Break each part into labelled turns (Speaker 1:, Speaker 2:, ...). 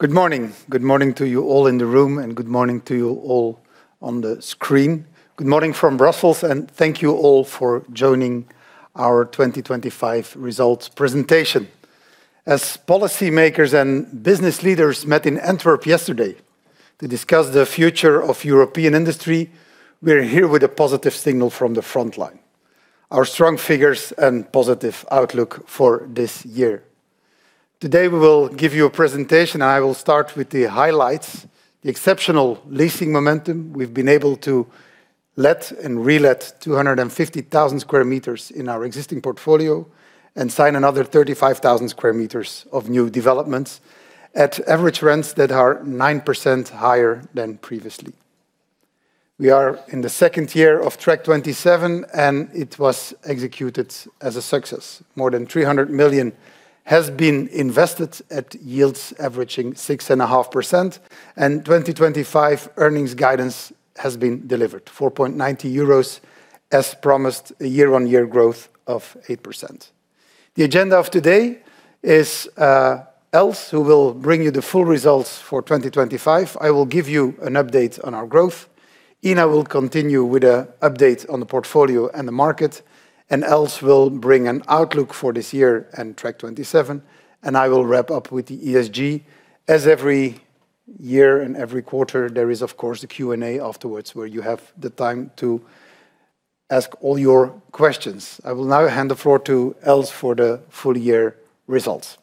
Speaker 1: Good morning. Good morning to you all in the room, and good morning to you all on the screen. Good morning from Brussels, and thank you all for joining our 2025 results presentation. As policymakers and business leaders met in Antwerp yesterday to discuss the future of European industry, we're here with a positive signal from the frontline, our strong figures and positive outlook for this year. Today, we will give you a presentation, and I will start with the highlights, the exceptional leasing momentum. We've been able to let and relet 250,000 sq m in our existing portfolio and sign another 35,000 sq m of new developments at average rents that are 9% higher than previously. We are in the second year of Track 2027, and it was executed as a success. More than 300 million has been invested at yields averaging 6.5%, and 2025 earnings guidance has been delivered, 4.90 euros, as promised, a year-on-year growth of 8%. The agenda of today is, Els, who will bring you the full results for 2025. I will give you an update on our growth. Inna will continue with a update on the portfolio and the market, and Els will bring an outlook for this year and Track 2027, and I will wrap up with the ESG. As every year and every quarter, there is, of course, a Q&A afterwards, where you have the time to ask all your questions. I will now hand the floor to Els for the full year results.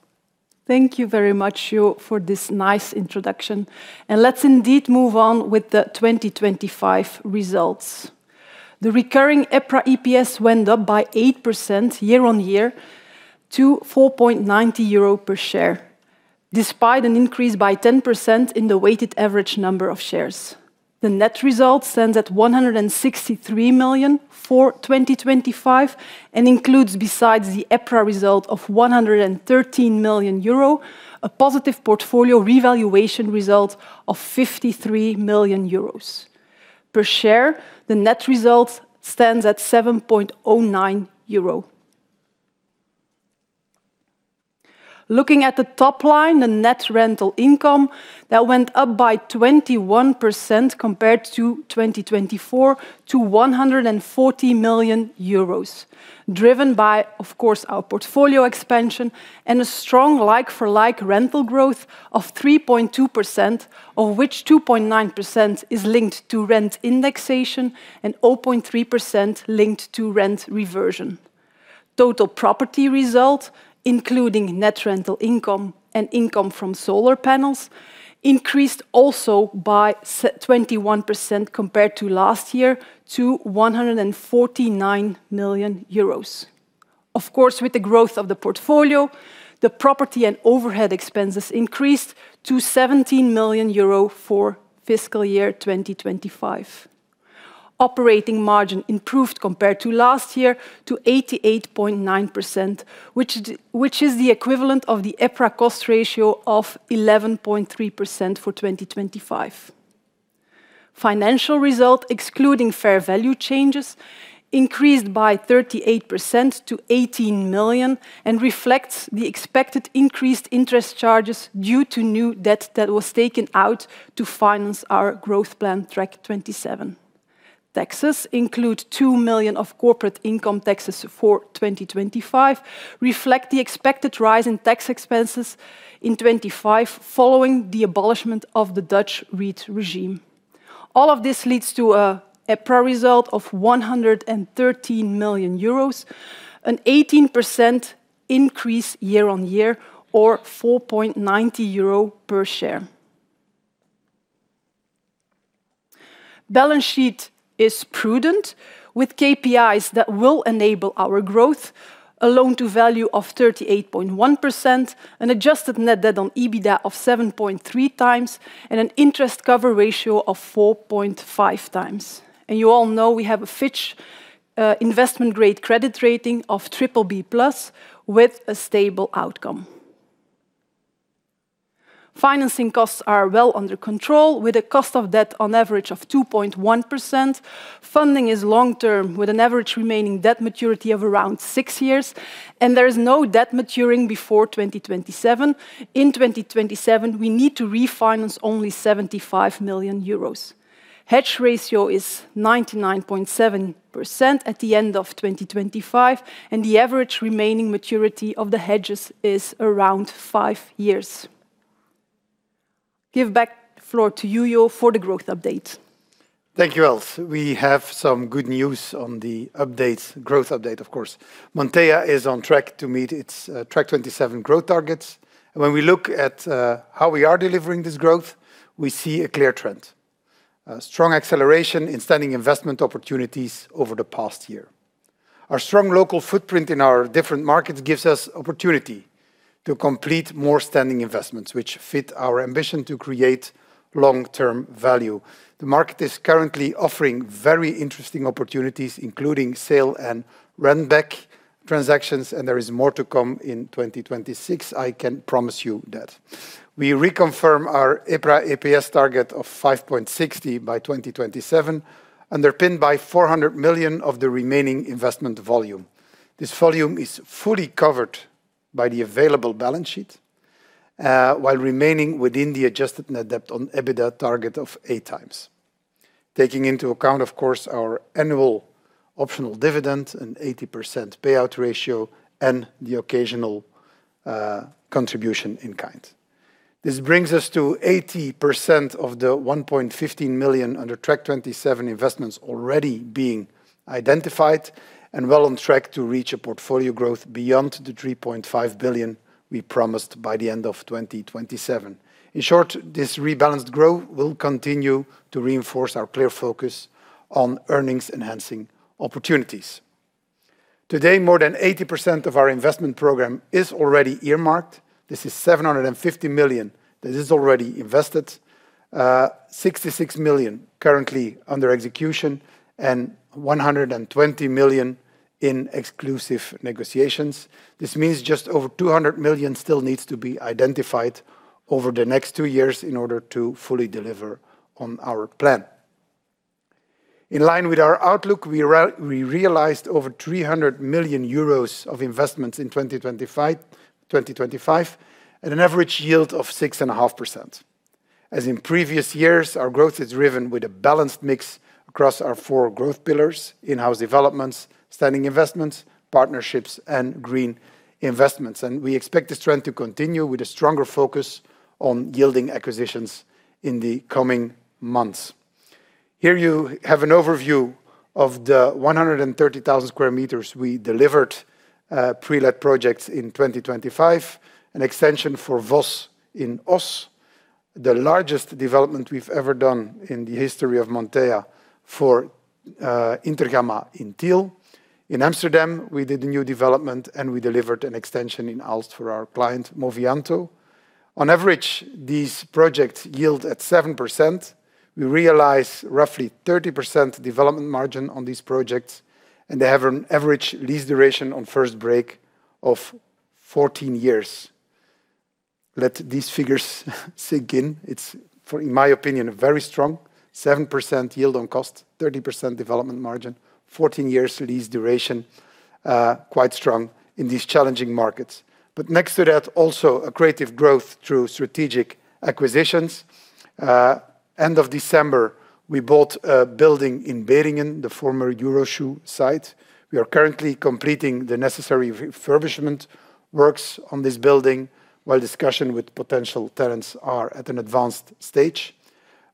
Speaker 2: Thank you very much, Jo, for this nice introduction, and let's indeed move on with the 2025 results. The recurring EPRA EPS went up by 8% year-on-year to 4.90 euro per share, despite an increase by 10% in the weighted average number of shares. The net result stands at 163 million for 2025 and includes, besides the EPRA result of 113 million euro, a positive portfolio revaluation result of 53 million euros. Per share, the net result stands at 7.09 euro. Looking at the top line, the net rental income, that went up by 21% compared to 2024, to 140 million euros, driven by, of course, our portfolio expansion and a strong like-for-like rental growth of 3.2%, of which 2.9% is linked to rent indexation and 0.3% linked to rent reversion. Total property result, including net rental income and income from solar panels, increased also by 21% compared to last year, to 149 million euros. Of course, with the growth of the portfolio, the property and overhead expenses increased to 17 million euro for fiscal year 2025. Operating margin improved compared to last year to 88.9%, which is the equivalent of the EPRA cost ratio of 11.3% for 2025. Financial result, excluding fair value changes, increased by 38% to 18 million and reflects the expected increased interest charges due to new debt that was taken out to finance our growth plan, Track 2027. Taxes include 2 million of corporate income taxes for 2025, reflect the expected rise in tax expenses in 2025, following the abolishment of the Dutch REIT regime. All of this leads to a pro result of 113 million euros, an 18% increase year-on-year, or 4.90 euro per share. Balance sheet is prudent, with KPIs that will enable our growth: a loan-to-value of 38.1%, an adjusted net debt on EBITDA of 7.3x, and an interest cover ratio of 4.5x. You all know we have a Fitch, investment-grade credit rating of BBB+ with a stable outcome. Financing costs are well under control, with a cost of debt on average of 2.1%. Funding is long-term, with an average remaining debt maturity of around six years, and there is no debt maturing before 2027. In 2027, we need to refinance only 75 million euros. Hedge ratio is 99.7% at the end of 2025, and the average remaining maturity of the hedges is around five years. Give back floor to you, Jo, for the growth update.
Speaker 1: Thank you, Els. We have some good news on the updates, growth update, of course. Montea is on track to meet its Track 2027 growth targets. When we look at how we are delivering this growth, we see a clear trend, a strong acceleration in standing investment opportunities over the past year. Our strong local footprint in our different markets gives us opportunity to complete more standing investments, which fit our ambition to create long-term value. The market is currently offering very interesting opportunities, including sale and rent-back transactions, and there is more to come in 2026. I can promise you that. We reconfirm our EPRA EPS target of 5.60 by 2027, underpinned by 400 million of the remaining investment volume. This volume is fully covered by the available balance sheet, while remaining within the adjusted net debt on EBITDA target of 8x, taking into account, of course, our annual optional dividend and 80% payout ratio, and the occasional contribution in kind. This brings us to 80% of the 1.2 billion under Track 2027 investments already being identified, and well on track to reach a portfolio growth beyond the 3.5 billion we promised by the end of 2027. In short, this rebalanced growth will continue to reinforce our clear focus on earnings-enhancing opportunities. Today, more than 80% of our investment program is already earmarked. This is 750 million that is already invested, 66 million currently under execution, and 120 million in exclusive negotiations. This means just over 200 million still needs to be identified over the next two years in order to fully deliver on our plan. In line with our outlook, we realized over 300 million euros of investments in 2025, at an average yield of 6.5%. As in previous years, our growth is driven with a balanced mix across our four growth pillars: in-house developments, standing investments, partnerships, and green investments. We expect this trend to continue with a stronger focus on yielding acquisitions in the coming months. Here, you have an overview of the 130,000 sq m we delivered, pre-let projects in 2025, an extension for Vos in Oss, the largest development we've ever done in the history of Montea for, Intergamma in Tiel. In Amsterdam, we did a new development, and we delivered an extension in Aalst for our client, Movianto. On average, these projects yield at 7%. We realize roughly 30% development margin on these projects, and they have an average lease duration on first break of 14 years. Let these figures sink in. It's, for in my opinion, a very strong 7% yield on cost, 30% development margin, 14 years lease duration, quite strong in these challenging markets. But next to that, also accretive growth through strategic acquisitions. End of December, we bought a building in Beringen, the former Euroshoe site. We are currently completing the necessary refurbishment works on this building, while discussion with potential tenants are at an advanced stage.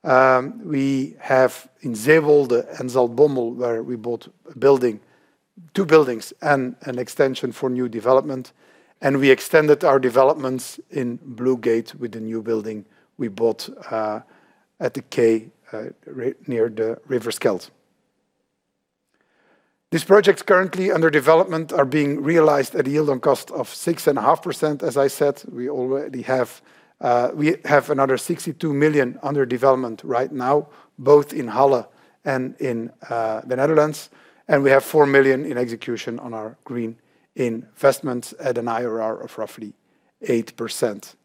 Speaker 1: We have in Zeewolde and Zaltbommel, where we bought a building... two buildings and an extension for new development, and we extended our developments in Blue Gate with the new building we bought, at the quay, near the River Scheldt. These projects currently under development are being realized at a yield on cost of 6.5%. As I said, we already have, we have another 62 million under development right now, both in Halle and in, the Netherlands, and we have 4 million in execution on our green investments at an IRR of roughly 8%.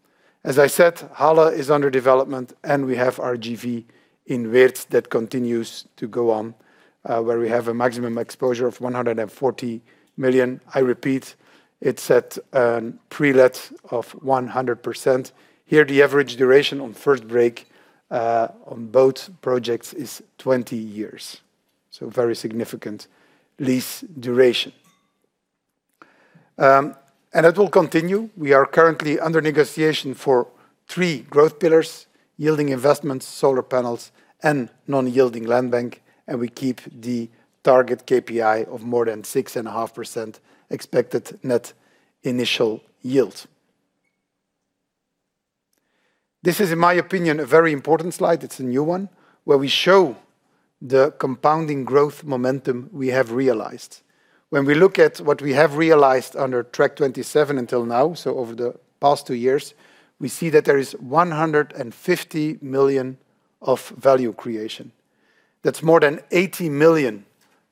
Speaker 1: As I said, Halle is under development, and we have our JV in Weert that continues to go on, where we have a maximum exposure of 140 million. I repeat, it's at a pre-let of 100%. Here, the average duration on first break on both projects is 20 years, so very significant lease duration. It will continue. We are currently under negotiation for three growth pillars: yielding investments, solar panels, and non-yielding land bank, and we keep the target KPI of more than 6.5% expected net initial yield. This is, in my opinion, a very important slide; it's a new one, where we show the compounding growth momentum we have realized. When we look at what we have realized under Track 2027 until now, so over the past two years, we see that there is 150 million of value creation. That's more than 80 million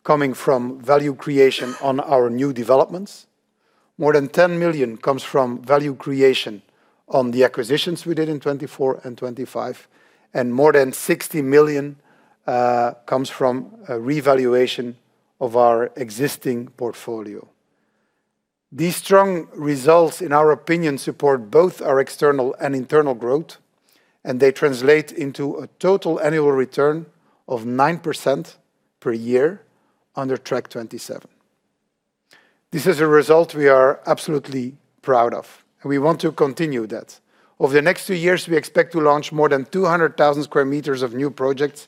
Speaker 1: coming from value creation on our new developments. More than 10 million comes from value creation on the acquisitions we did in 2024 and 2025, and more than 60 million comes from a revaluation of our existing portfolio. These strong results, in our opinion, support both our external and internal growth, and they translate into a total annual return of 9% per year under Track 2027. This is a result we are absolutely proud of, and we want to continue that. Over the next two years, we expect to launch more than 200,000 sq m of new projects,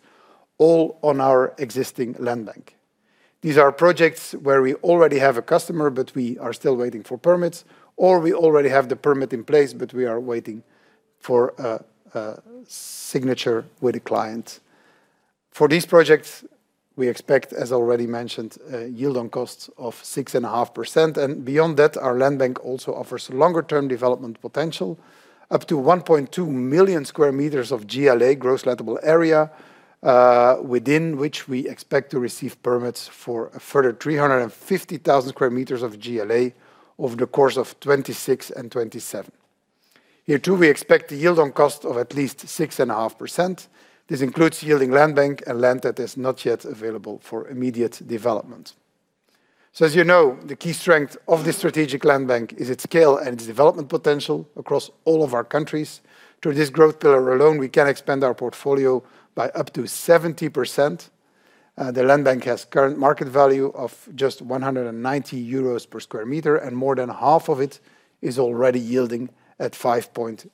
Speaker 1: all on our existing land bank. These are projects where we already have a customer, but we are still waiting for permits, or we already have the permit in place, but we are waiting for a signature with the client. For these projects, we expect, as already mentioned, a yield on costs of 6.5%, and beyond that, our land bank also offers longer-term development potential, up to 1.2 million sq m of GLA, Gross Lettable Area, within which we expect to receive permits for a further 350,000 sq m of GLA over the course of 2026 and 2027. Here, too, we expect a yield on cost of at least 6.5%. This includes yielding land bank and land that is not yet available for immediate development. So as you know, the key strength of the strategic land bank is its scale and its development potential across all of our countries. Through this growth pillar alone, we can expand our portfolio by up to 70%. The land bank has current market value of just 190 euros per sq m, and more than half of it is already yielding at 5.8%.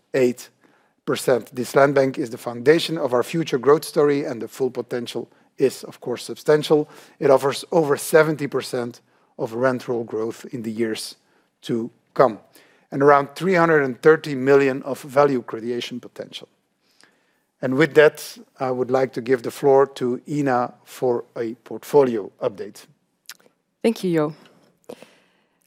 Speaker 1: This land bank is the foundation of our future growth story, and the full potential is, of course, substantial. It offers over 70% of rental growth in the years to come, and around 330 million of value creation potential. And with that, I would like to give the floor to Inna for a portfolio update.
Speaker 3: Thank you, Jo.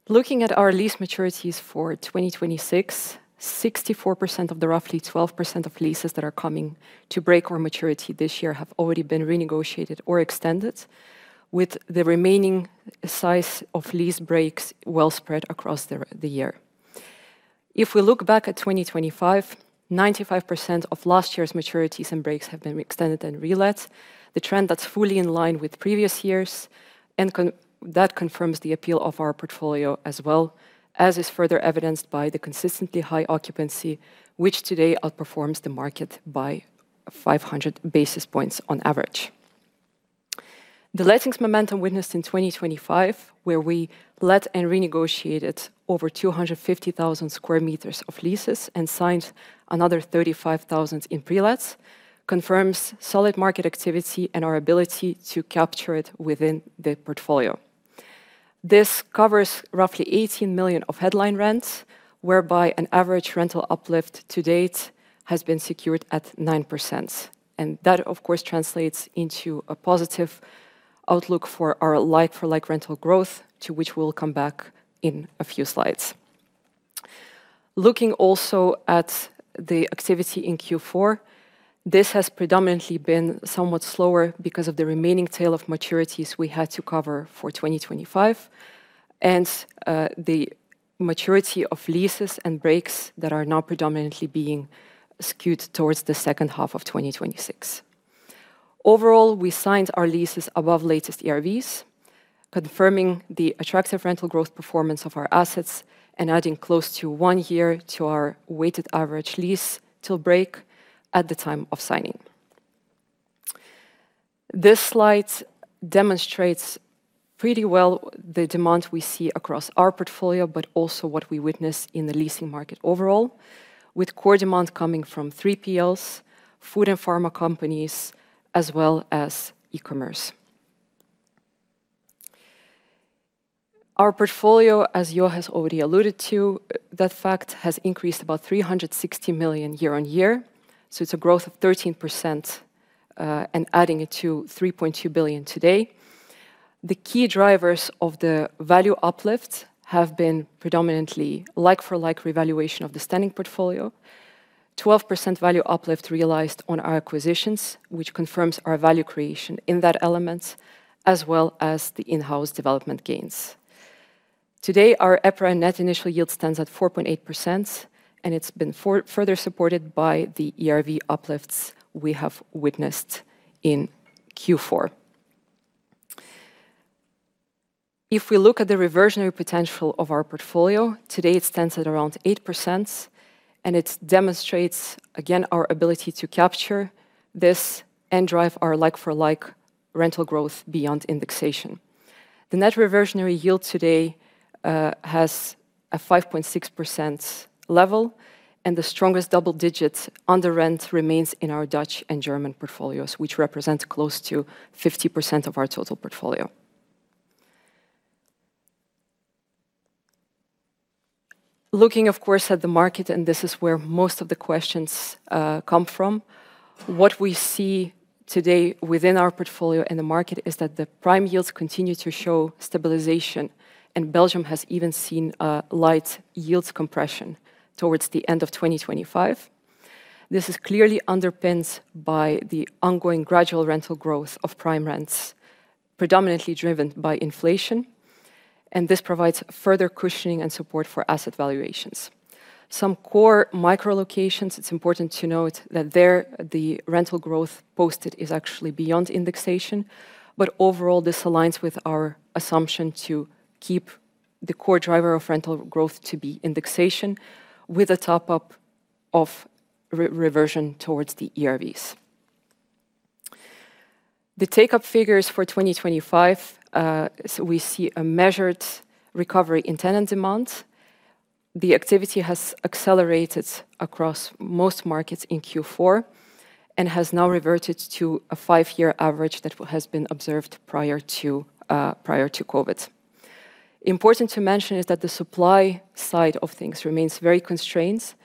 Speaker 3: Looking at our lease maturities for 2026, 64% of the roughly 12% of leases that are coming to break or maturity this year have already been renegotiated or extended, with the remaining size of lease breaks well spread across the year. If we look back at 2025, 95% of last year's maturities and breaks have been extended and relet. The trend that's fully in line with previous years, and that confirms the appeal of our portfolio as well, as is further evidenced by the consistently high occupancy, which today outperforms the market by 500 basis points on average. The lettings momentum witnessed in 2025, where we let and renegotiated over 250,000 sq m of leases and signed another 35,000 in prelets, confirms solid market activity and our ability to capture it within the portfolio. This covers roughly 18 million of headline rents, whereby an average rental uplift to date has been secured at 9%. That, of course, translates into a positive outlook for our like-for-like rental growth, to which we'll come back in a few slides. Looking also at the activity in Q4, this has predominantly been somewhat slower because of the remaining tail of maturities we had to cover for 2025, and the maturity of leases and breaks that are now predominantly being skewed towards the second half of 2026. Overall, we signed our leases above latest ERVs, confirming the attractive rental growth performance of our assets and adding close to one year to our weighted average lease till break at the time of signing. This slide demonstrates pretty well the demand we see across our portfolio, but also what we witness in the leasing market overall, with core demand coming from 3PLs, food and pharma companies, as well as e-commerce. Our portfolio, as Jo has already alluded to, that fact, has increased about 360 million year-on-year, so it's a growth of 13%, and adding it to 3.2 billion today. The key drivers of the value uplift have been predominantly like-for-like revaluation of the standing portfolio, 12% value uplift realized on our acquisitions, which confirms our value creation in that element, as well as the in-house development gains. Today, our EPRA net initial yield stands at 4.8%, and it's been further supported by the ERV uplifts we have witnessed in Q4. If we look at the reversionary potential of our portfolio, today it stands at around 8%, and it demonstrates, again, our ability to capture this and drive our like-for-like rental growth beyond indexation. The net reversionary yield today has a 5.6% level, and the strongest double digits on the rent remains in our Dutch and German portfolios, which represent close to 50% of our total portfolio. Looking, of course, at the market, and this is where most of the questions come from, what we see today within our portfolio in the market is that the prime yields continue to show stabilization, and Belgium has even seen a light yield compression towards the end of 2025. This is clearly underpinned by the ongoing gradual rental growth of prime rents, predominantly driven by inflation, and this provides further cushioning and support for asset valuations. Some core micro locations, it's important to note that there, the rental growth posted is actually beyond indexation. But overall, this aligns with our assumption to keep the core driver of rental growth to be indexation, with a top-up of re-reversion towards the ERVs. The take-up figures for 2025, so we see a measured recovery in tenant demand. The activity has accelerated across most markets in Q4 and has now reverted to a five-year average that has been observed prior to, prior to COVID. Important to mention is that the supply side of things remains very constrained.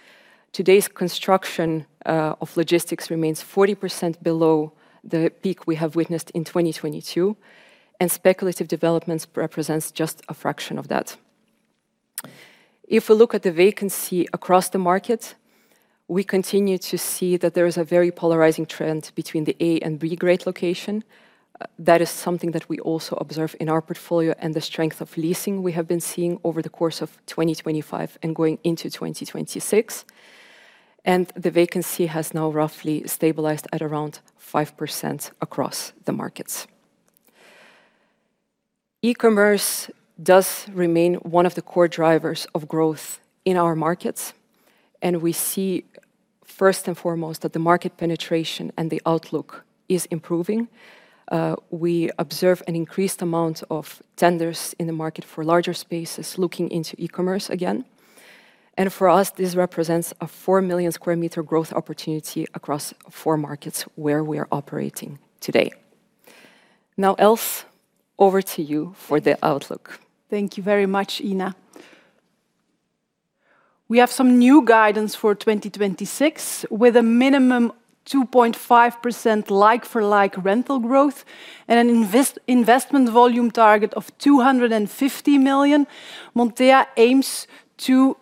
Speaker 3: Today's construction of logistics remains 40% below the peak we have witnessed in 2022, and speculative developments represents just a fraction of that. If we look at the vacancy across the market, we continue to see that there is a very polarizing trend between the A and B grade location. That is something that we also observe in our portfolio and the strength of leasing we have been seeing over the course of 2025 and going into 2026... and the vacancy has now roughly stabilized at around 5% across the markets. E-commerce does remain one of the core drivers of growth in our markets, and we see, first and foremost, that the market penetration and the outlook is improving. We observe an increased amount of tenders in the market for larger spaces, looking into e-commerce again, and for us, this represents a 4 million sq m growth opportunity across 4 markets where we are operating today. Now, Els, over to you for the outlook.
Speaker 2: Thank you very much, Ina. We have some new guidance for 2026, with a minimum 2.5% like-for-like rental growth and an investment volume target of 250 million. Montea aims to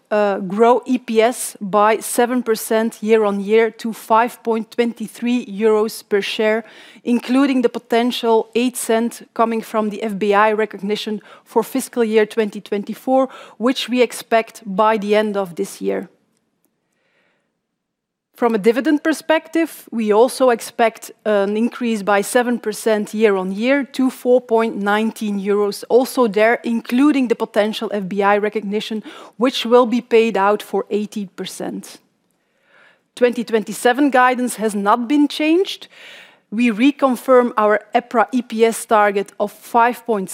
Speaker 2: grow EPS by 7% year-on-year to 5.23 euros per share, including the potential 0.08 coming from the FBI recognition for fiscal year 2024, which we expect by the end of this year. From a dividend perspective, we also expect an increase by 7% year-on-year to 4.19 euros. Also there, including the potential FBI recognition, which will be paid out for 80%. 2027 guidance has not been changed. We reconfirm our EPRA EPS target of 5.60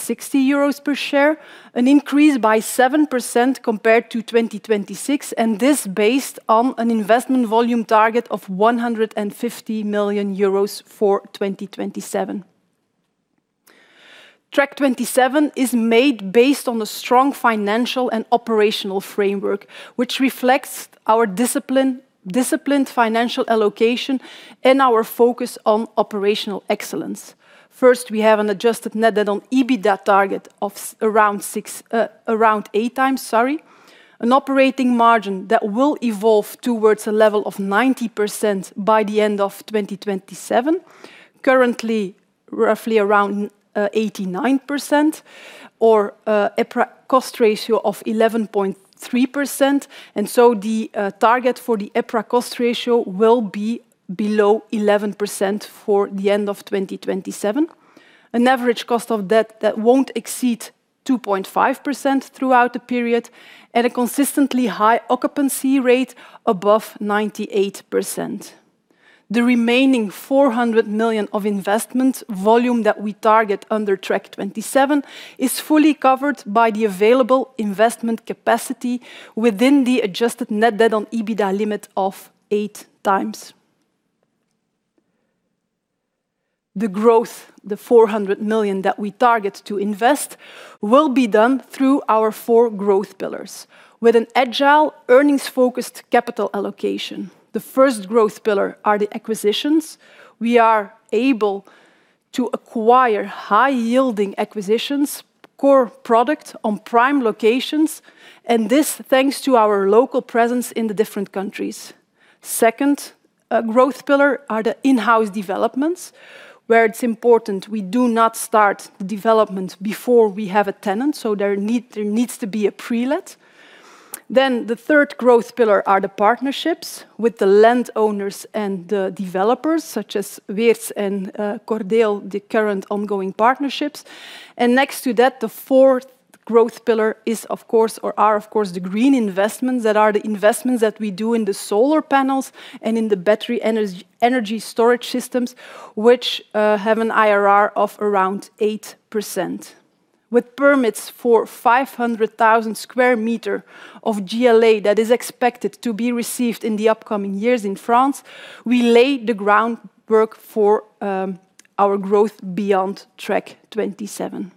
Speaker 2: euros per share, an increase by 7% compared to 2026, and this based on an investment volume target of 150 million euros for 2027. Track 2027 is made based on the strong financial and operational framework, which reflects our discipline, disciplined financial allocation, and our focus on operational excellence. First, we have an adjusted net debt on EBITDA target of around 6, around 8x, sorry, an operating margin that will evolve towards a level of 90% by the end of 2027. Currently, roughly around, 89% or, EPRA cost ratio of 11.3%, and so the target for the EPRA cost ratio will be below 11% for the end of 2027. An average cost of debt that won't exceed 2.5% throughout the period, at a consistently high occupancy rate above 98%. The remaining 400 million of investment volume that we target under Track 2027 is fully covered by the available investment capacity within the adjusted net debt on EBITDA limit of 8x. The growth, the 400 million that we target to invest, will be done through our four growth pillars with an agile, earnings-focused capital allocation. The first growth pillar are the acquisitions. We are able to acquire high-yielding acquisitions, core product on prime locations, and this thanks to our local presence in the different countries. Second, growth pillar are the in-house developments, where it's important we do not start the development before we have a tenant, so there needs to be a pre-let. Then, the third growth pillar are the partnerships with the land owners and the developers, such as Weerts and, Cordeel, the current ongoing partnerships. And next to that, the fourth growth pillar is, of course, or are, of course, the green investments, that are the investments that we do in the solar panels and in the battery energy storage systems, which, have an IRR of around 8%. With permits for 500,000 sq m of GLA that is expected to be received in the upcoming years in France, we lay the groundwork for, our growth beyond Track 2027.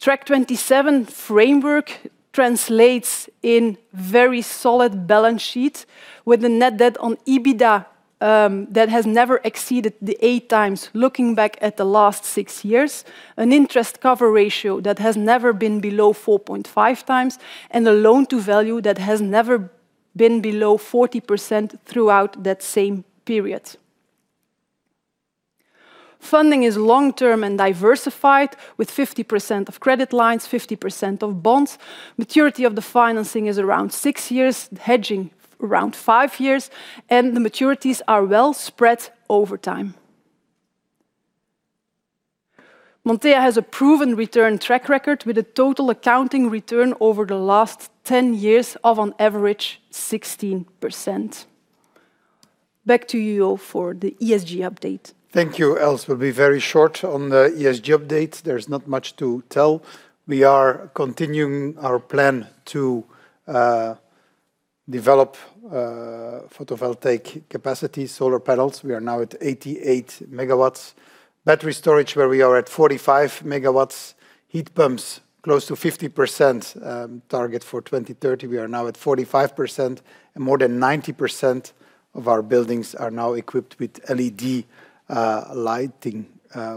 Speaker 2: Track 2027 framework translates in very solid balance sheet, with a net debt on EBITDA that has never exceeded 8x, looking back at the last six years, an interest cover ratio that has never been below 4.5x, and a loan-to-value that has never been below 40% throughout that same period. Funding is long-term and diversified, with 50% of credit lines, 50% of bonds. Maturity of the financing is around six years, hedging around five years, and the maturities are well-spread over time. Montea has a proven return track record with a total accounting return over the last 10 years of on average 16%. Back to you, Jo, for the ESG update.
Speaker 1: Thank you, Els. We'll be very short on the ESG update. There's not much to tell. We are continuing our plan to develop photovoltaic capacity solar panels. We are now at 88 MW. Battery storage, where we are at 45 MW. Heat pumps, close to 50% target for 2030. We are now at 45%, and more than 90% of our buildings are now equipped with LED lighting.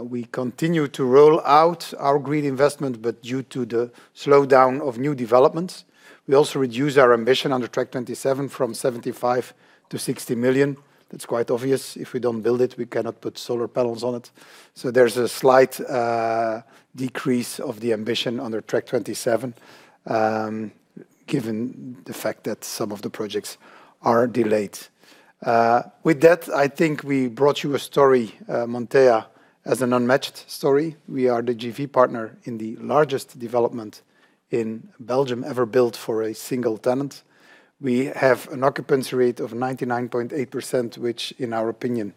Speaker 1: We continue to roll out our green investment, but due to the slowdown of new developments, we also reduce our ambition under Track 2027 from 75 million-60 million. That's quite obvious. If we don't build it, we cannot put solar panels on it. So there's a slight decrease of the ambition under Track 2027, given the fact that some of the projects are delayed. With that, I think we brought you a story, Montea as an unmatched story, we are the JV partner in the largest development in Belgium ever built for a single tenant. We have an occupancy rate of 99.8%, which, in our opinion,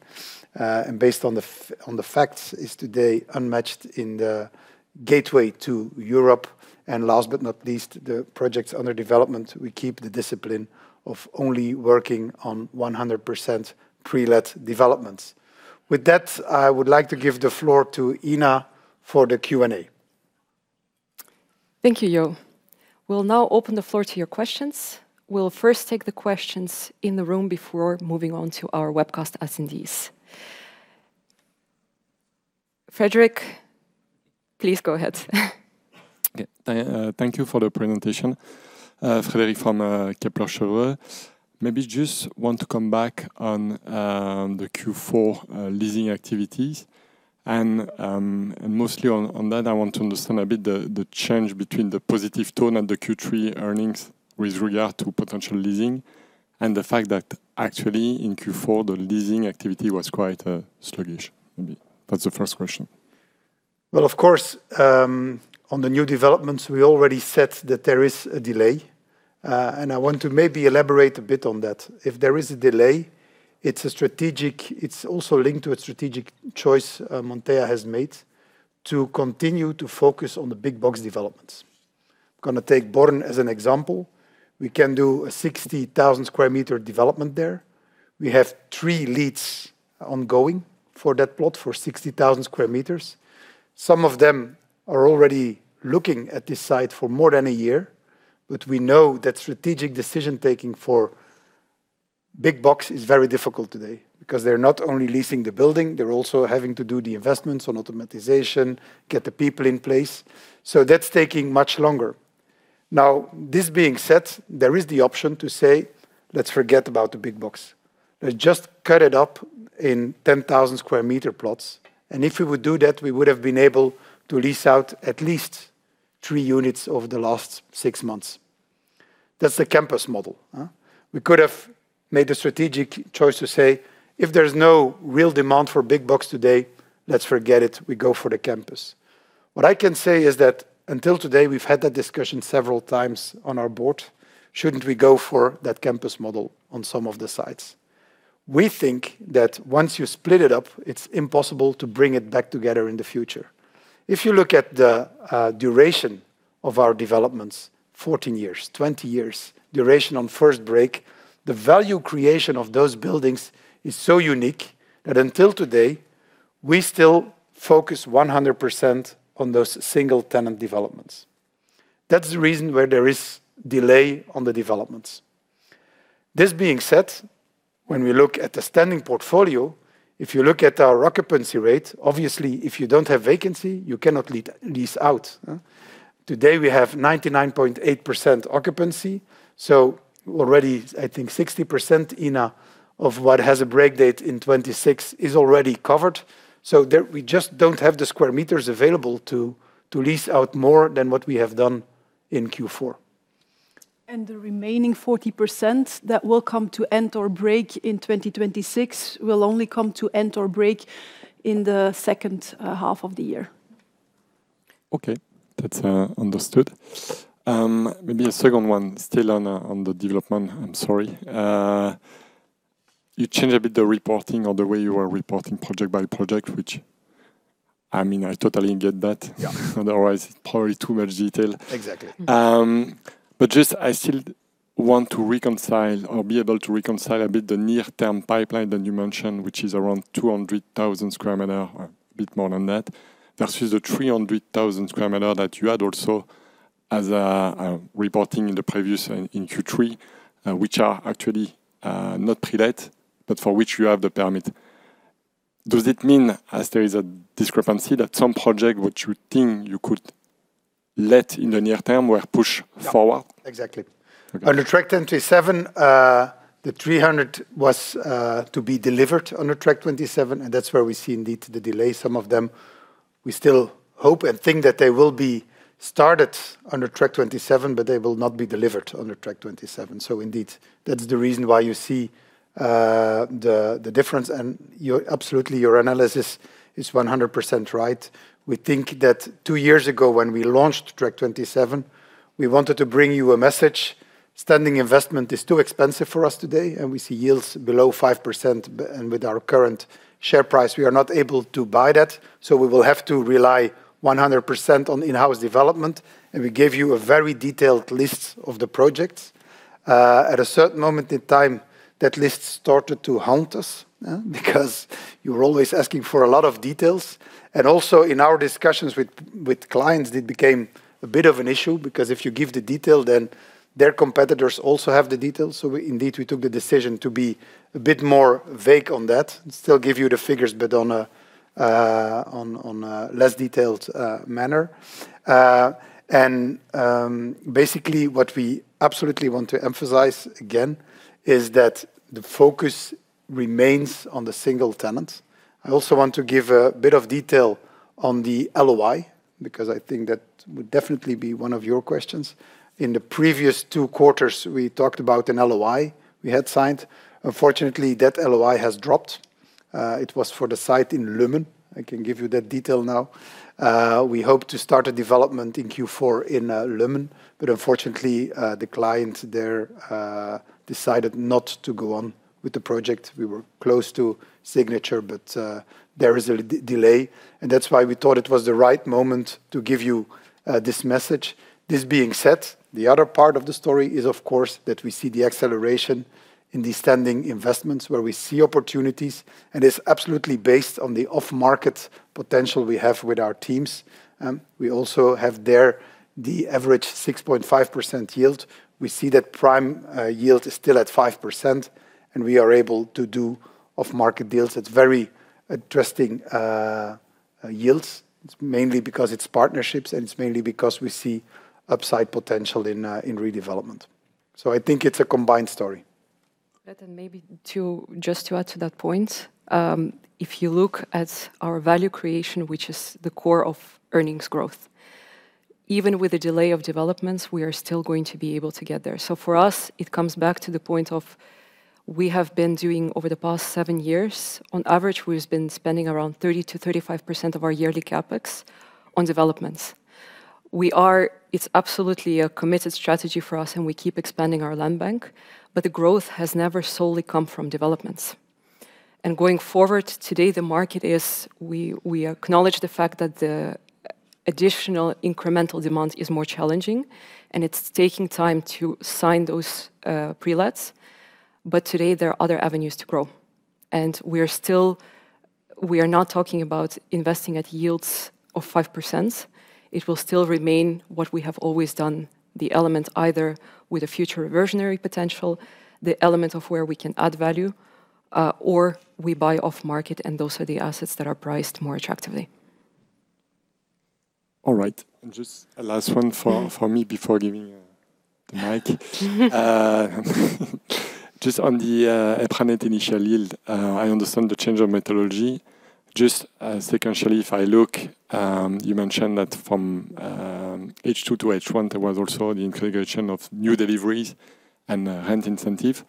Speaker 1: and based on the facts, is today unmatched in the gateway to Europe. And last but not least, the projects under development, we keep the discipline of only working on 100% pre-let developments. With that, I would like to give the floor to Inna for the Q&A.
Speaker 3: Thank you, Jo. We'll now open the floor to your questions. We'll first take the questions in the room before moving on to our webcast attendees. Frédéric, please go ahead.
Speaker 4: Okay. Thank you for the presentation. Frédéric from Kepler Cheuvreux. Maybe just want to come back on the Q4 leasing activities. And mostly on that, I want to understand a bit the change between the positive tone and the Q3 earnings with regard to potential leasing, and the fact that actually in Q4, the leasing activity was quite sluggish. Maybe that's the first question.
Speaker 1: Well, of course, on the new developments, we already said that there is a delay, and I want to maybe elaborate a bit on that. If there is a delay, it's a strategic... It's also linked to a strategic choice, Montea has made to continue to focus on the big box developments. I'm gonna take Born as an example. We can do a 60,000 sq m development there. We have three leads ongoing for that plot, for 60,000 sq m. Some of them are already looking at this site for more than a year, but we know that strategic decision-taking for big box is very difficult today, because they're not only leasing the building, they're also having to do the investments on automation, get the people in place, so that's taking much longer. Now, this being said, there is the option to say, "Let's forget about the big box. Let's just cut it up in 10,000 sq m plots." And if we would do that, we would have been able to lease out at least three units over the last six months. That's the campus model, huh? We could have made a strategic choice to say, "If there's no real demand for big box today, let's forget it. We go for the campus." What I can say is that until today, we've had that discussion several times on our board: "Shouldn't we go for that campus model on some of the sites?" We think that once you split it up, it's impossible to bring it back together in the future. If you look at the duration of our developments, 14 years, 20 years duration on first break, the value creation of those buildings is so unique that until today, we still focus 100% on those single-tenant developments. That's the reason why there is delay on the developments. This being said, when we look at the standing portfolio, if you look at our occupancy rate, obviously, if you don't have vacancy, you cannot lease out, huh? Today, we have 99.8% occupancy, so already, I think 60%, Inna, of what has a break date in 2026 is already covered. So there we just don't have the square meters available to lease out more than what we have done in Q4.
Speaker 2: The remaining 40% that will come to end or break in 2026 will only come to end or break in the second half of the year.
Speaker 4: Okay. That's understood. Maybe a second one still on the development. I'm sorry. You changed a bit the reporting or the way you were reporting project by project, which, I mean, I totally get that.
Speaker 1: Yeah.
Speaker 4: Otherwise, probably too much detail.
Speaker 1: Exactly.
Speaker 3: Mm-hmm.
Speaker 4: But just I still want to reconcile or be able to reconcile a bit the near-term pipeline that you mentioned, which is around 200,000 sq m, or a bit more than that. Versus the 300,000 sq m that you had also as a reporting in the previous, in Q3, which are actually not pre-let, but for which you have the permit. Does it mean, as there is a discrepancy, that some project which you think you could let in the near term were pushed forward?
Speaker 1: Yeah. Exactly.
Speaker 4: Okay.
Speaker 1: Under Track 2027, the 300 was to be delivered under Track 2027, and that's where we see indeed the delay. Some of them, we still hope and think that they will be started under Track 2027, but they will not be delivered under Track 2027. So indeed, that's the reason why you see the difference, and your... absolutely, your analysis is 100% right. We think that two years ago, when we launched Track 2027, we wanted to bring you a message. Standing investment is too expensive for us today, and we see yields below 5%, and with our current share price, we are not able to buy that, so we will have to rely 100% on in-house development, and we gave you a very detailed list of the projects. At a certain moment in time, that list started to haunt us, because you were always asking for a lot of details. Also, in our discussions with clients, it became a bit of an issue, because if you give the detail, then their competitors also have the details. So we indeed took the decision to be a bit more vague on that, and still give you the figures, but on a less detailed manner. Basically, what we absolutely want to emphasize again is that the focus remains on the single tenant. I also want to give a bit of detail on the LOI, because I think that would definitely be one of your questions. In the previous two quarters, we talked about an LOI we had signed. Unfortunately, that LOI has dropped. It was for the site in Lummen. I can give you that detail now. We hope to start a development in Q4 in Lummen, but unfortunately, the client there decided not to go on with the project. We were close to signature, but there is a delay, and that's why we thought it was the right moment to give you this message. This being said, the other part of the story is, of course, that we see the acceleration in the standing investments where we see opportunities, and it's absolutely based on the off-market potential we have with our teams. We also have there the average 6.5% yield. We see that prime yield is still at 5%, and we are able to do off-market deals. It's very interesting yields. It's mainly because it's partnerships, and it's mainly because we see upside potential in redevelopment. So I think it's a combined story.
Speaker 3: And then maybe just to add to that point, if you look at our value creation, which is the core of earnings growth, even with the delay of developments, we are still going to be able to get there. So for us, it comes back to the point of we have been doing over the past seven years, on average, we've been spending around 30%-35% of our yearly CapEx on developments. It's absolutely a committed strategy for us, and we keep expanding our land bank, but the growth has never solely come from developments. And going forward, today, the market is... we, we acknowledge the fact that the additional incremental demand is more challenging, and it's taking time to sign those pre-lets. But today, there are other avenues to grow, and we are still not talking about investing at yields of 5%. It will still remain what we have always done, the element either with a future reversionary potential, the element of where we can add value, or we buy off-market, and those are the assets that are priced more attractively.
Speaker 4: All right. And just a last one for, for me before giving, the mic. Just on the, net initial yield, I understand the change of methodology. Just, sequentially, if I look, you mentioned that from, H2-H1, there was also the integration of new deliveries and, rent incentive.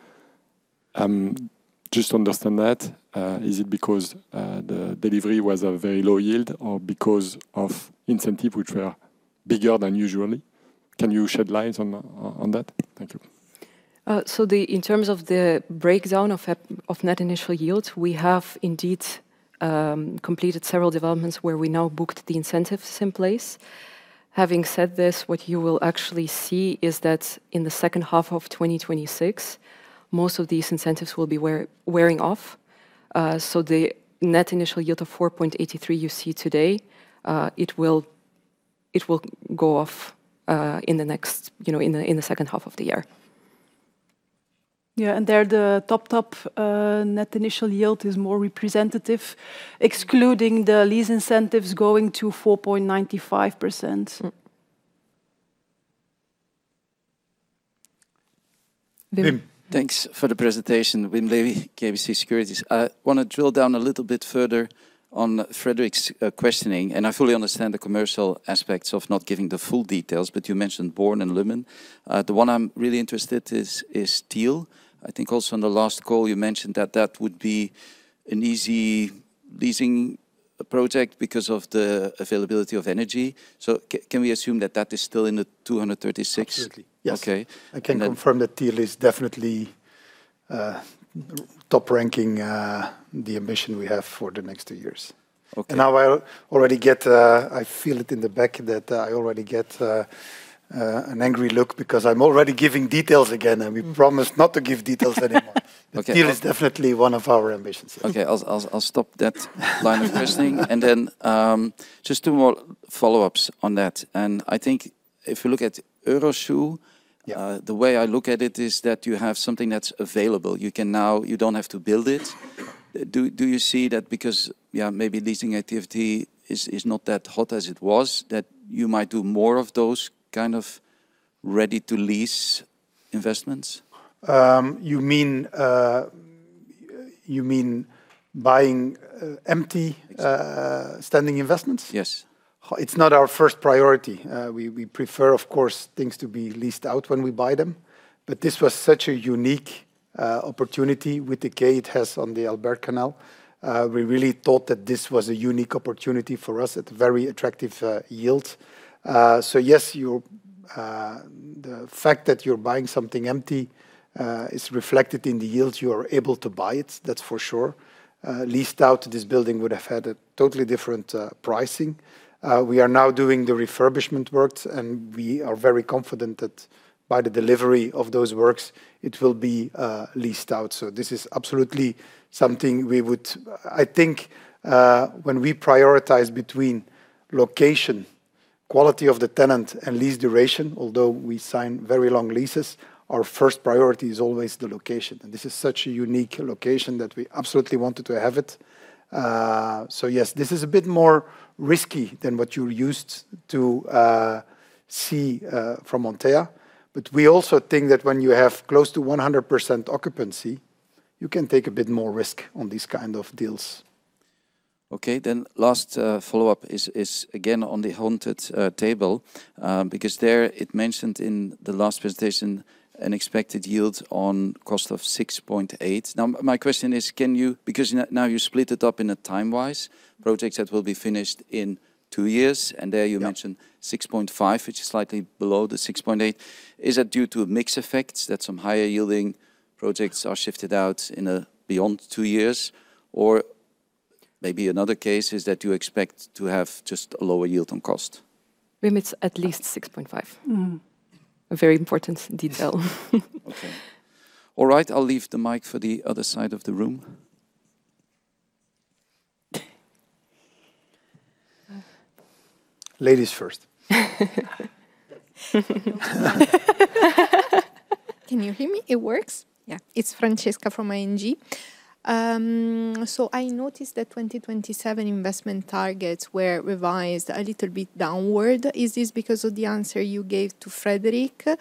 Speaker 4: Just to understand that, is it because, the delivery was a very low yield or because of incentive, which were bigger than usually? Can you shed light on, on that? Thank you.
Speaker 3: So, in terms of the breakdown of net initial yields, we have indeed completed several developments where we now booked the incentives in place. Having said this, what you will actually see is that in the second half of 2026, most of these incentives will be wearing off. So, the net initial yield of 4.83% you see today, it will, it will go off, in the next, you know, in the second half of the year.
Speaker 2: Yeah, and there, the net initial yield is more representative, excluding the lease incentives going to 4.95%.
Speaker 3: Mm-hmm.
Speaker 1: Wim?
Speaker 5: Thanks for the presentation. Wim Lewi, KBC Securities. I want to drill down a little bit further on Frédéric's questioning, and I fully understand the commercial aspects of not giving the full details, but you mentioned Born and Lummen. The one I'm really interested is, is Tiel. I think also on the last call, you mentioned that that would be an easy leasing project because of the availability of energy. So can we assume that that is still in the 236?
Speaker 1: Absolutely.
Speaker 5: Okay.
Speaker 1: Yes. I can confirm that Tiel is definitely top ranking, the ambition we have for the next two years.
Speaker 5: Okay.
Speaker 1: Now I already get, I feel it in the back that I already get, an angry look because I'm already giving details again, and we promised not to give details anymore.
Speaker 5: Okay.
Speaker 1: Tiel is definitely one of our ambitions.
Speaker 5: Okay, I'll stop that line of questioning. Then, just two more follow-ups on that. I think if you look at Euroshoe-
Speaker 1: Yeah...
Speaker 5: the way I look at it is that you have something that's available. You can now. You don't have to build it. Do you see that because, yeah, maybe leasing activity is not that hot as it was, that you might do more of those kind of ready-to-lease investments?
Speaker 1: You mean buying empty-
Speaker 5: Exactly...
Speaker 1: standing investments?
Speaker 5: Yes.
Speaker 1: It's not our first priority. We prefer, of course, things to be leased out when we buy them, but this was such a unique opportunity with the gate it has on the Albert Canal. We really thought that this was a unique opportunity for us at a very attractive yield. So yes, the fact that you're buying something empty is reflected in the yield. You are able to buy it, that's for sure. Leased out, this building would have had a totally different pricing. We are now doing the refurbishment works, and we are very confident that by the delivery of those works, it will be leased out. So this is absolutely something we would... I think, when we prioritize between location, quality of the tenant, and lease duration, although we sign very long leases, our first priority is always the location, and this is such a unique location that we absolutely wanted to have it. So yes, this is a bit more risky than what you're used to see from Montea, but we also think that when you have close to 100% occupancy, you can take a bit more risk on these kind of deals.
Speaker 5: Okay, then last follow-up is again on the handout table, because there it mentioned in the last presentation an expected yield on cost of 6.8%. Now, my question is, can you, because now you split it up time-wise, projects that will be finished in two years, and there you-
Speaker 1: Yeah...
Speaker 5: mentioned 6.5%, which is slightly below the 6.8%. Is that due to mix effects, that some higher-yielding projects are shifted out in a beyond two years? Or maybe another case is that you expect to have just a lower yield on cost?
Speaker 3: We meet at least 6.5%.
Speaker 5: Mm.
Speaker 3: A very important detail.
Speaker 5: Okay. All right, I'll leave the mic for the other side of the room.
Speaker 1: Ladies first.
Speaker 6: Can you hear me? It works?
Speaker 3: Yeah.
Speaker 6: It's Francesca from ING. So I noticed that 2027 investment targets were revised a little bit downward. Is this because of the answer you gave to Frédéric?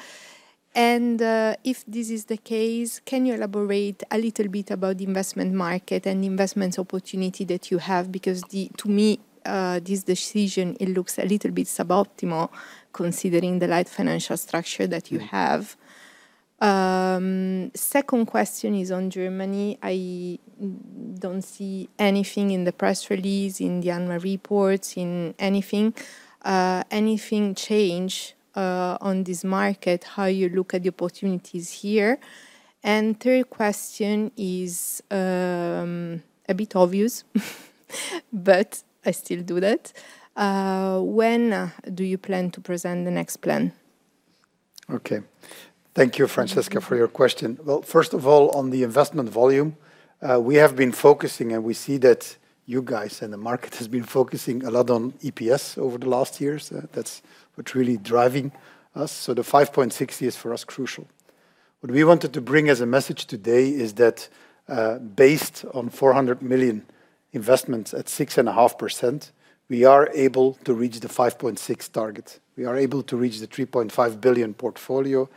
Speaker 6: And if this is the case, can you elaborate a little bit about the investment market and investment opportunity that you have? Because the-- to me, this decision, it looks a little bit suboptimal, considering the light financial structure that you have. Second question is on Germany. I don't see anything in the press release, in the annual reports, in anything, anything change, on this market, how you look at the opportunities here. And third question is, a bit obvious, but I still do that. When do you plan to present the next plan?
Speaker 1: Okay. Thank you, Francesca, for your question. Well, first of all, on the investment volume, we have been focusing, and we see that you guys in the market has been focusing a lot on EPS over the last years. That's what's really driving us. So the 5.6% is, for us, crucial. What we wanted to bring as a message today is that, based on 400 million investments at 6.5%, we are able to reach the 5.6% target. We are able to reach the 3.5 billion portfolio,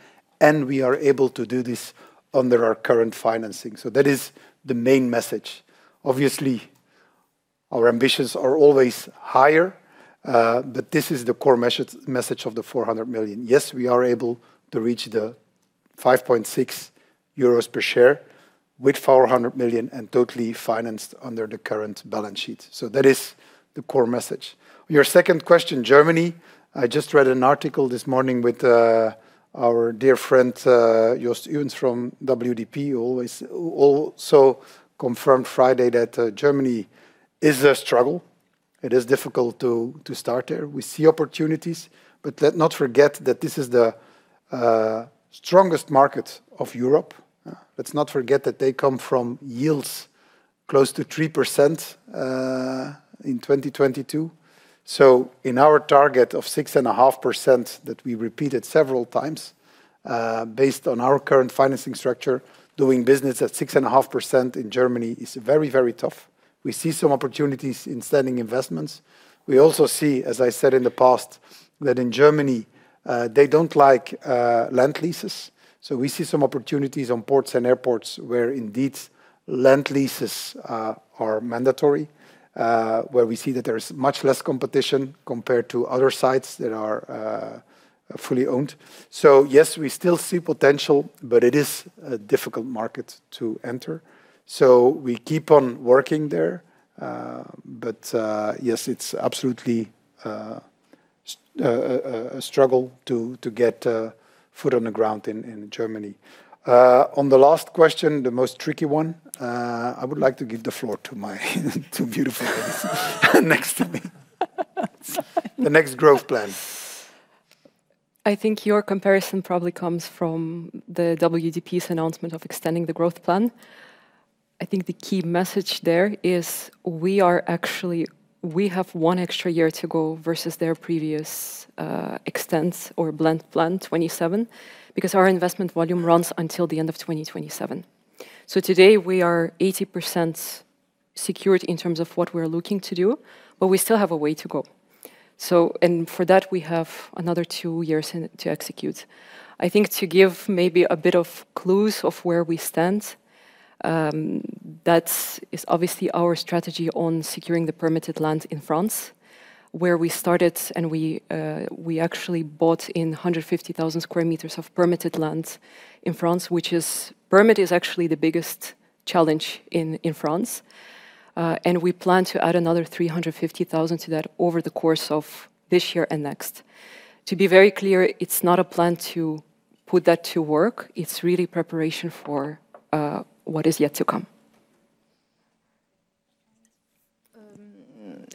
Speaker 1: and we are able to do this under our current financing. So that is the main message. Obviously, our ambitions are always higher, but this is the core message, message of the 400 million. Yes, we are able to reach the 5.6 euros per share with 400 million and totally financed under the current balance sheet. So that is the core message. Your second question, Germany, I just read an article this morning with our dear friend Joost Uwents from WDP, who always also confirmed Friday that Germany is a struggle. It is difficult to start there. We see opportunities, but let not forget that this is the strongest market of Europe. Let's not forget that they come from yields close to 3% in 2022. So in our target of 6.5% that we repeated several times, based on our current financing structure, doing business at 6.5% in Germany is very, very tough. We see some opportunities in standing investments. We also see, as I said in the past, that in Germany, they don't like land leases. So we see some opportunities on ports and airports where indeed, land leases are mandatory, where we see that there is much less competition compared to other sites that are fully owned. So yes, we still see potential, but it is a difficult market to enter. So we keep on working there, but yes, it's absolutely a struggle to get foot on the ground in Germany. On the last question, the most tricky one, I would like to give the floor to my two beautiful ladies next to me.
Speaker 3: Sorry.
Speaker 1: The next growth plan.
Speaker 3: I think your comparison probably comes from the WDP's announcement of extending the growth plan. I think the key message there is we are actually. We have one extra year to go versus their previous Extend 2027, because our investment volume runs until the end of 2027. So today, we are 80% secured in terms of what we're looking to do, but we still have a way to go. So and for that, we have another two years in it to execute. I think to give maybe a bit of clues of where we stand, that is obviously our strategy on securing the permitted land in France, where we started, and we actually bought 150,000 sq m of permitted land in France, which is permit is actually the biggest challenge in France. We plan to add another 350,000 to that over the course of this year and next. To be very clear, it's not a plan to put that to work, it's really preparation for what is yet to come.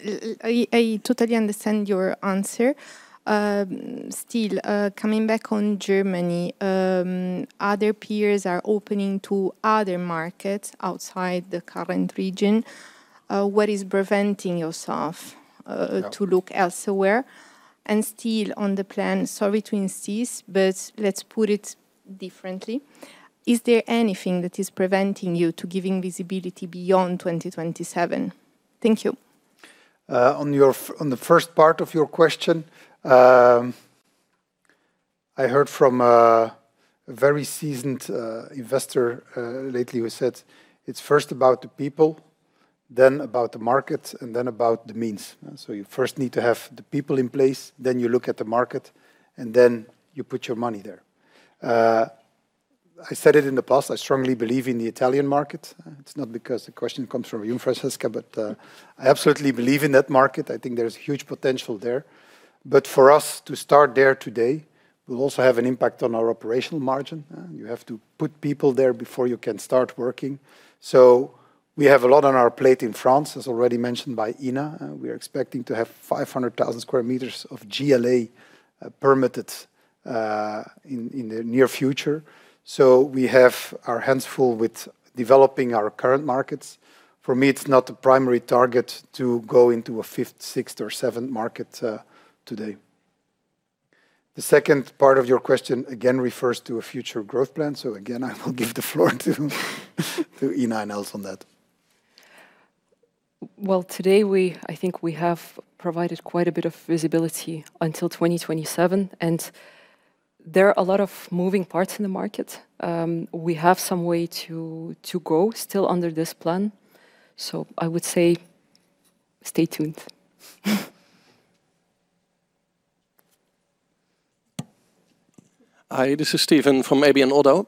Speaker 6: I totally understand your answer. Still, coming back on Germany, other peers are opening to other markets outside the current region. What is preventing yourself,
Speaker 1: Yeah...
Speaker 6: to look elsewhere? Still on the plan, sorry to insist, but let's put it differently. Is there anything that is preventing you to giving visibility beyond 2027? Thank you.
Speaker 1: On the first part of your question, I heard from a very seasoned investor lately who said, "It's first about the people, then about the market, and then about the means." So you first need to have the people in place, then you look at the market, and then you put your money there. I said it in the past, I strongly believe in the Italian market. It's not because the question comes from you, Francesca, but I absolutely believe in that market. I think there's huge potential there. But for us to start there today, will also have an impact on our operational margin. You have to put people there before you can start working. So we have a lot on our plate in France, as already mentioned by Inna, and we are expecting to have 500,000 sq m of GLA permitted in the near future. We have our hands full with developing our current markets. For me, it's not a primary target to go into a fifth, sixth, or seventh market today. The second part of your question, again, refers to a future growth plan, so again, I will give the floor to Inna and Els on that.
Speaker 3: Well, today I think we have provided quite a bit of visibility until 2027, and there are a lot of moving parts in the market. We have some way to go still under this plan, so I would say stay tuned.
Speaker 7: Hi, this is Steven from ABN AMRO.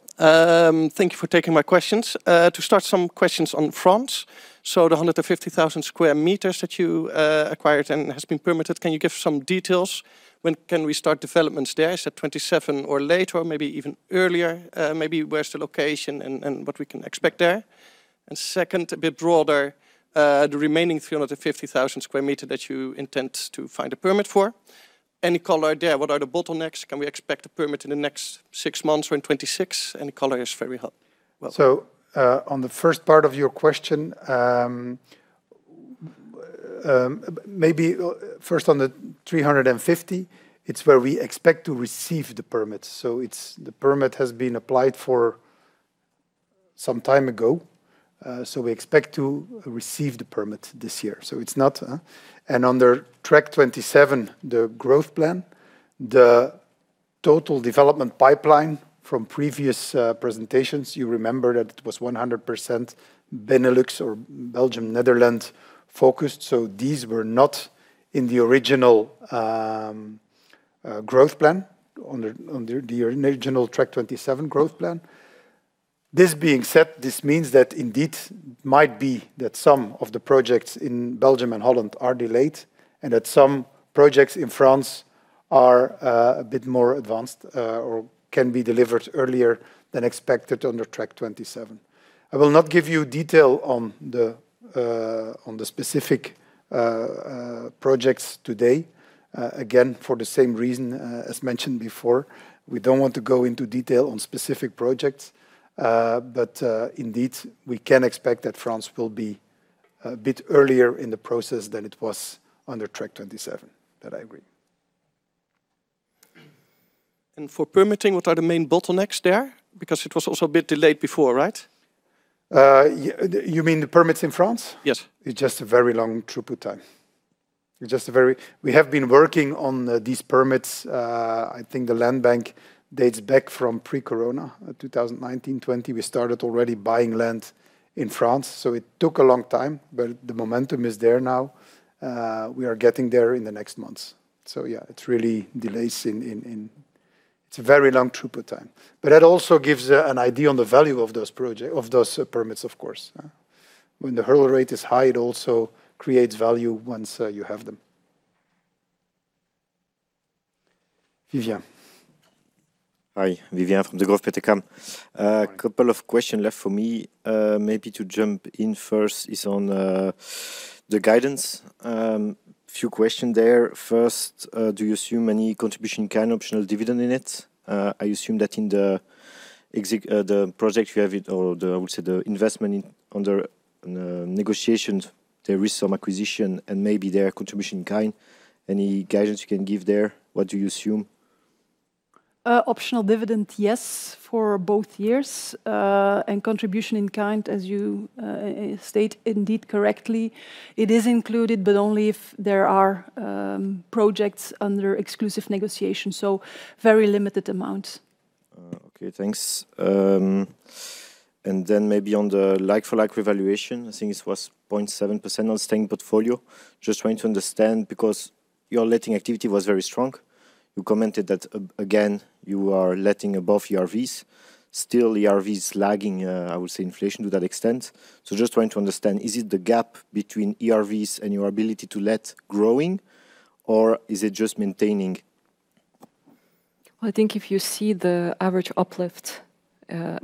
Speaker 7: Thank you for taking my questions. To start, some questions on France. So the 150,000 sq m that you acquired and has been permitted, can you give some details? When can we start developments there, is that 2027 or later, or maybe even earlier? Maybe where's the location and, and what we can expect there? And second, a bit broader, the remaining 350,000 sq m that you intend to find a permit for. Any color there? What are the bottlenecks? Can we expect a permit in the next six months or in 2026? Any color is very helpful.
Speaker 1: So, on the first part of your question, maybe first on the 350, it's where we expect to receive the permits. So it's the permit has been applied for some time ago, so we expect to receive the permit this year. So it's not. And under Track 2027, the growth plan, the total development pipeline from previous presentations, you remember that it was 100% Benelux or Belgium, Netherlands focused, so these were not in the original growth plan, the original Track 2027 growth plan. This being said, this means that indeed might be that some of the projects in Belgium and Holland are delayed, and that some projects in France are a bit more advanced or can be delivered earlier than expected under Track 2027. I will not give you detail on the specific projects today. Again, for the same reason as mentioned before, we don't want to go into detail on specific projects, but indeed, we can expect that France will be a bit earlier in the process than it was under Track 2027. That, I agree.
Speaker 7: For permitting, what are the main bottlenecks there? Because it was also a bit delayed before, right?
Speaker 1: You mean the permits in France?
Speaker 7: Yes.
Speaker 1: It's just a very long throughput time. It's just a very... We have been working on these permits. I think the land bank dates back from pre-corona, 2019, 2020. We started already buying land in France, so it took a long time, but the momentum is there now. We are getting there in the next months. So yeah, it really delays in, in, in... It's a very long throughput time. But that also gives an idea on the value of those project-- of those permits, of course. When the hurdle rate is high, it also creates value once you have them. Vivien.
Speaker 8: Hi, Vivien from Degroof Petercam.
Speaker 1: Hi.
Speaker 8: A couple of question left for me. Maybe to jump in first is on the guidance. Few question there. First, do you assume any contribution kind optional dividend in it? I assume that in the exec-- the project you have it or the, I would say, the investment in-- under negotiations, there is some acquisition and maybe there are contribution kind. Any guidance you can give there? What do you assume?
Speaker 2: Optional dividend, yes, for both years. And contribution in kind, as you state indeed correctly, it is included, but only if there are projects under exclusive negotiation, so very limited amount.
Speaker 8: Okay, thanks. And then maybe on the like-for-like revaluation, I think it was 0.7% on staying portfolio. Just trying to understand, because your letting activity was very strong. You commented that, again, you are letting above ERVs. Still, ERV is lagging, I would say, inflation to that extent. So just trying to understand, is it the gap between ERVs and your ability to let growing, or is it just maintaining?
Speaker 3: Well, I think if you see the average uplift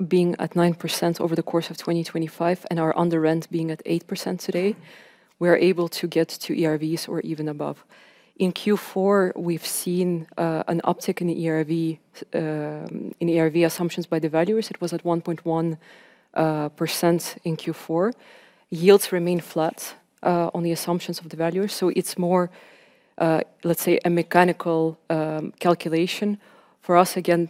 Speaker 3: being at 9% over the course of 2025, and our underrent being at 8% today, we are able to get to ERVs or even above. In Q4, we've seen an uptick in the ERV in ERV assumptions by the valuers. It was at 1.1% in Q4. Yields remain flat on the assumptions of the valuers, so it's more, let's say, a mechanical calculation. For us, again,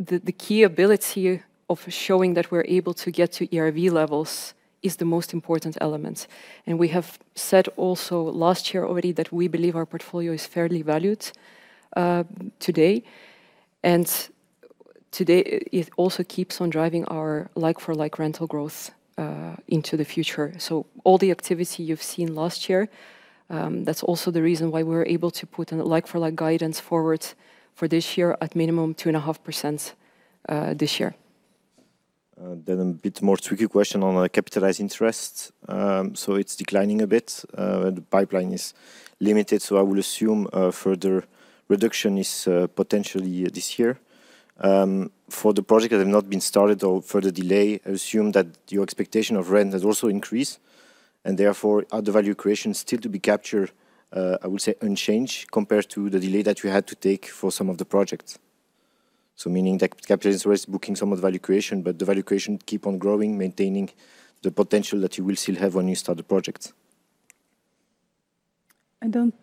Speaker 3: the key ability of showing that we're able to get to ERV levels is the most important element. And we have said also last year already that we believe our portfolio is fairly valued today. And today, it also keeps on driving our like-for-like rental growth into the future. All the activity you've seen last year, that's also the reason why we're able to put an like-for-like guidance forward for this year, at minimum 2.5%, this year.
Speaker 8: Then a bit more tricky question on the capitalized interest. So it's declining a bit, and the pipeline is limited, so I will assume a further reduction is potentially this year. For the project that have not been started or further delay, I assume that your expectation of rent has also increased, and therefore, are the value creation still to be captured, I would say unchanged compared to the delay that you had to take for some of the projects? So meaning that capitalized interest booking some of the value creation, but the value creation keep on growing, maintaining the potential that you will still have when you start the project.
Speaker 2: I don't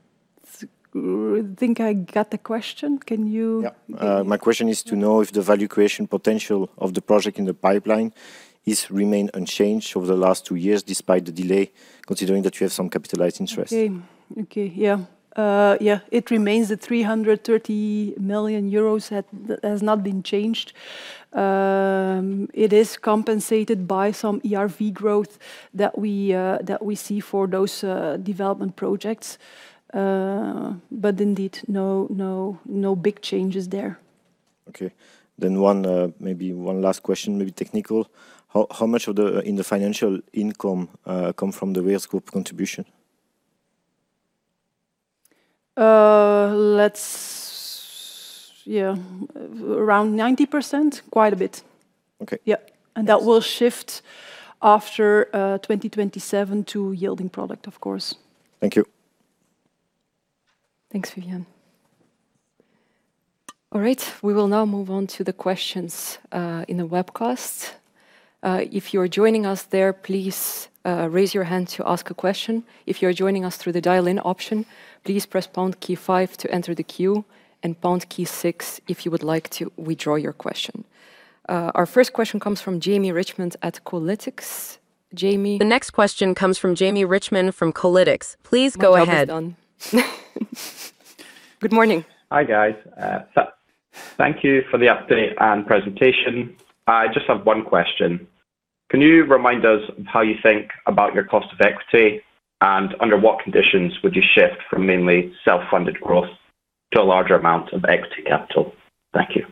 Speaker 2: think I got the question. Can you-
Speaker 8: Yeah. My question is to know if the value creation potential of the project in the pipeline is remained unchanged over the last two years despite the delay, considering that you have some capitalized interest?
Speaker 2: Okay. Okay. Yeah. Yeah, it remains at 330 million euros, that has not been changed. It is compensated by some ERV growth that we, that we see for those development projects. But indeed, no, no, no big changes there.
Speaker 8: Okay. Then one, maybe one last question, maybe technical. How much of the, in the financial income, come from the Reals corp contribution?
Speaker 2: Yeah, around 90%. Quite a bit.
Speaker 8: Okay.
Speaker 2: Yeah. And that will shift after 2027 to yielding product, of course.
Speaker 8: Thank you.
Speaker 3: Thanks, Vivian. All right. We will now move on to the questions in the webcast. If you're joining us there, please raise your hand to ask a question. If you're joining us through the dial-in option, please press pound key five to enter the queue, and pound key six if you would like to withdraw your question. Our first question comes from Jamie Richmond at Kolytics. Jamie?
Speaker 9: The next question comes from Jamie Richmond, from Kolytics. Please go ahead.
Speaker 2: Good morning.
Speaker 10: Hi, guys. Thank you for the update and presentation. I just have one question: Can you remind us of how you think about your cost of equity, and under what conditions would you shift from mainly self-funded growth to a larger amount of equity capital? Thank you.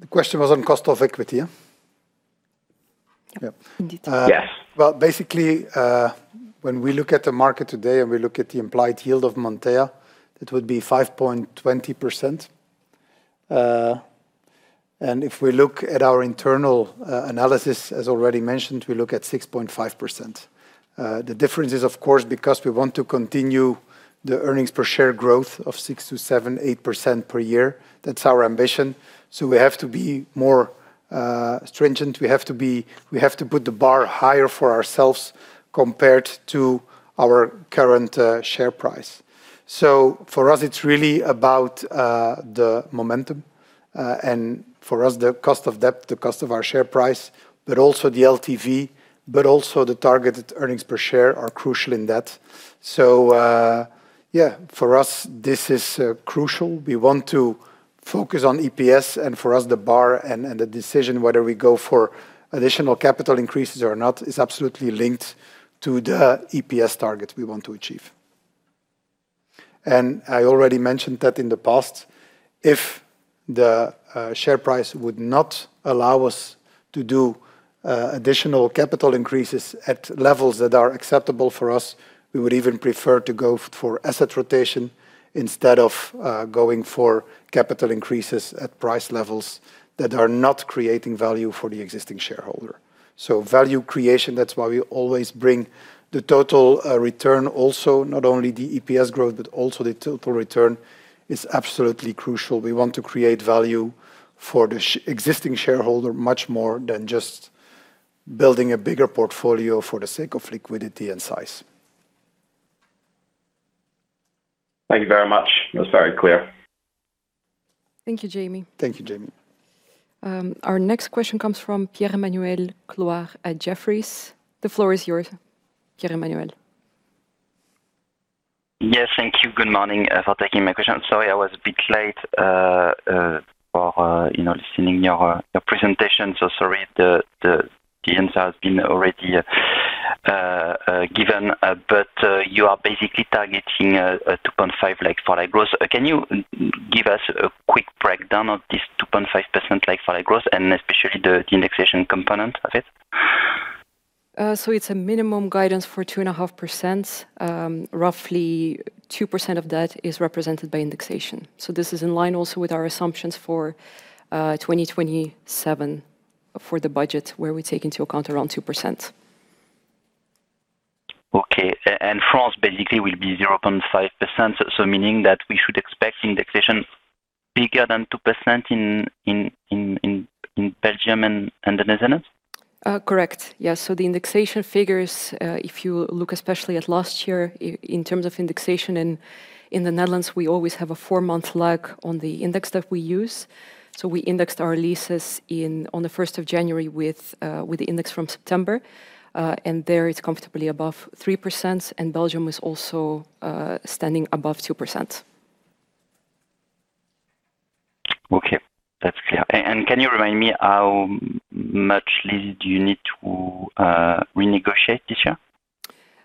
Speaker 1: The question was on cost of equity, yeah? Yep.
Speaker 2: Indeed.
Speaker 10: Yes.
Speaker 1: Well, basically, when we look at the market today, and we look at the implied yield of Montea, it would be 5.20%. And if we look at our internal analysis, as already mentioned, we look at 6.5%. The difference is, of course, because we want to continue the earnings per share growth of 6%-8% per year. That's our ambition. So we have to be more stringent. We have to put the bar higher for ourselves compared to our current share price. So for us, it's really about the momentum, and for us, the cost of debt, the cost of our share price, but also the LTV, but also the targeted earnings per share are crucial in that. So, yeah, for us, this is crucial. We want to focus on EPS, and for us, the bar and the decision whether we go for additional capital increases or not, is absolutely linked to the EPS target we want to achieve. I already mentioned that in the past, if the share price would not allow us to do additional capital increases at levels that are acceptable for us, we would even prefer to go for asset rotation instead of going for capital increases at price levels that are not creating value for the existing shareholder. So value creation, that's why we always bring the total return also, not only the EPS growth, but also the total return is absolutely crucial. We want to create value for the existing shareholder much more than just building a bigger portfolio for the sake of liquidity and size.
Speaker 10: Thank you very much. That was very clear.
Speaker 3: Thank you, Jamie.
Speaker 1: Thank you, Jamie.
Speaker 3: Our next question comes from Pierre-Emmanuel Clouard at Jefferies. The floor is yours, Pierre-Emmanuel.
Speaker 11: Yes. Thank you. Good morning, for taking my question. Sorry I was a bit late, for, you know, listening your, your presentation, so sorry the, the, the answer has been already, given, but, you are basically targeting a, a 2.5% like-for-like growth. Can you give us a quick breakdown of this 2.5% like-for-like growth and especially the indexation component of it?
Speaker 3: So it's a minimum guidance for 2.5%. Roughly 2% of that is represented by indexation. So this is in line also with our assumptions for 2027, for the budget, where we take into account around 2%.
Speaker 11: Okay. And France basically will be 0.5%, so meaning that we should expect indexation-... bigger than 2% in Belgium and the Netherlands?
Speaker 3: Correct. Yes, so the indexation figures, if you look especially at last year, in terms of indexation in the Netherlands, we always have a four-month lag on the index that we use. So we indexed our leases on the first of January with the index from September, and there it's comfortably above 3%, and Belgium is also standing above 2%.
Speaker 11: Okay, that's clear. And can you remind me how much leases do you need to renegotiate this year?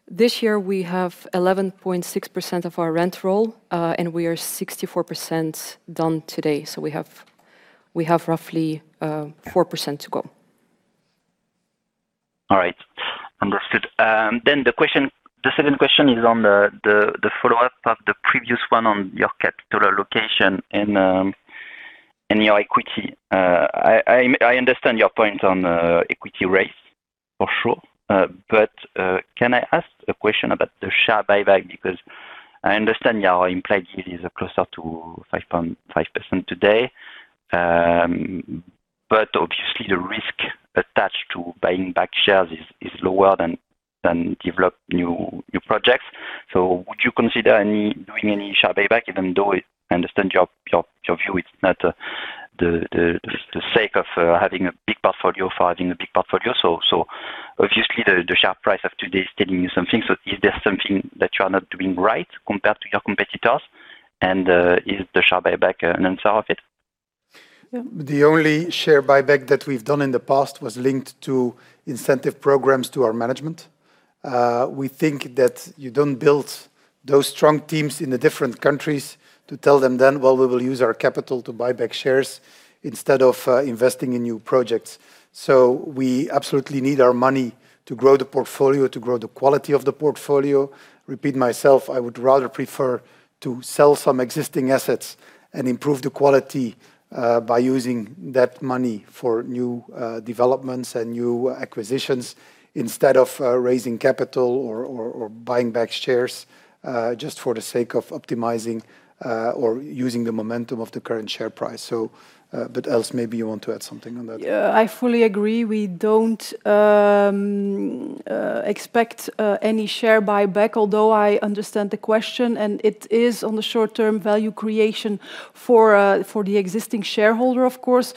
Speaker 3: This year, we have 11.6% of our rent roll, and we are 64% done today. So we have, we have roughly, 4% to go.
Speaker 11: All right. Understood. Then the second question is on the follow-up of the previous one on your capital allocation and your equity. I understand your point on equity raise, for sure. But can I ask a question about the share buyback? Because I understand your implied yield is closer to 5.5% today, but obviously the risk attached to buying back shares is lower than develop new projects. So would you consider doing any share buyback, even though I understand your view, it's not the sake of having a big portfolio for having a big portfolio. So obviously the share price of today is telling you something. So is there something that you are not doing right compared to your competitors, and is the share buyback an answer of it?
Speaker 1: The only share buyback that we've done in the past was linked to incentive programs to our management. We think that you don't build those strong teams in the different countries to tell them then, "Well, we will use our capital to buy back shares instead of investing in new projects." So we absolutely need our money to grow the portfolio, to grow the quality of the portfolio. Repeat myself, I would rather prefer to sell some existing assets and improve the quality by using that money for new developments and new acquisitions, instead of raising capital or buying back shares just for the sake of optimizing or using the momentum of the current share price. So, but Els, maybe you want to add something on that.
Speaker 2: Yeah, I fully agree. We don't expect any share buyback, although I understand the question, and it is on the short-term value creation for for the existing shareholder, of course.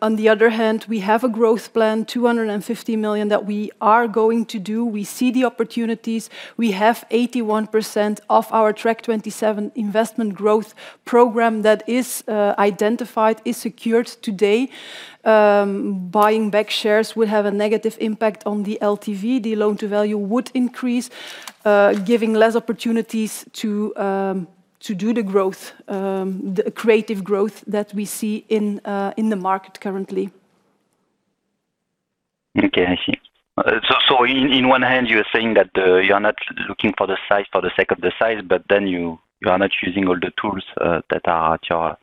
Speaker 2: On the other hand, we have a growth plan, 250 million, that we are going to do. We see the opportunities. We have 81% of our Track 2027 investment growth program that is identified, is secured today. Buying back shares will have a negative impact on the LTV. The loan-to-value would increase, giving less opportunities to to do the growth, the creative growth that we see in in the market currently.
Speaker 11: Okay, I see. So, so in, in one hand, you are saying that you are not looking for the size for the sake of the size, but then you, you are not using all the tools that are at your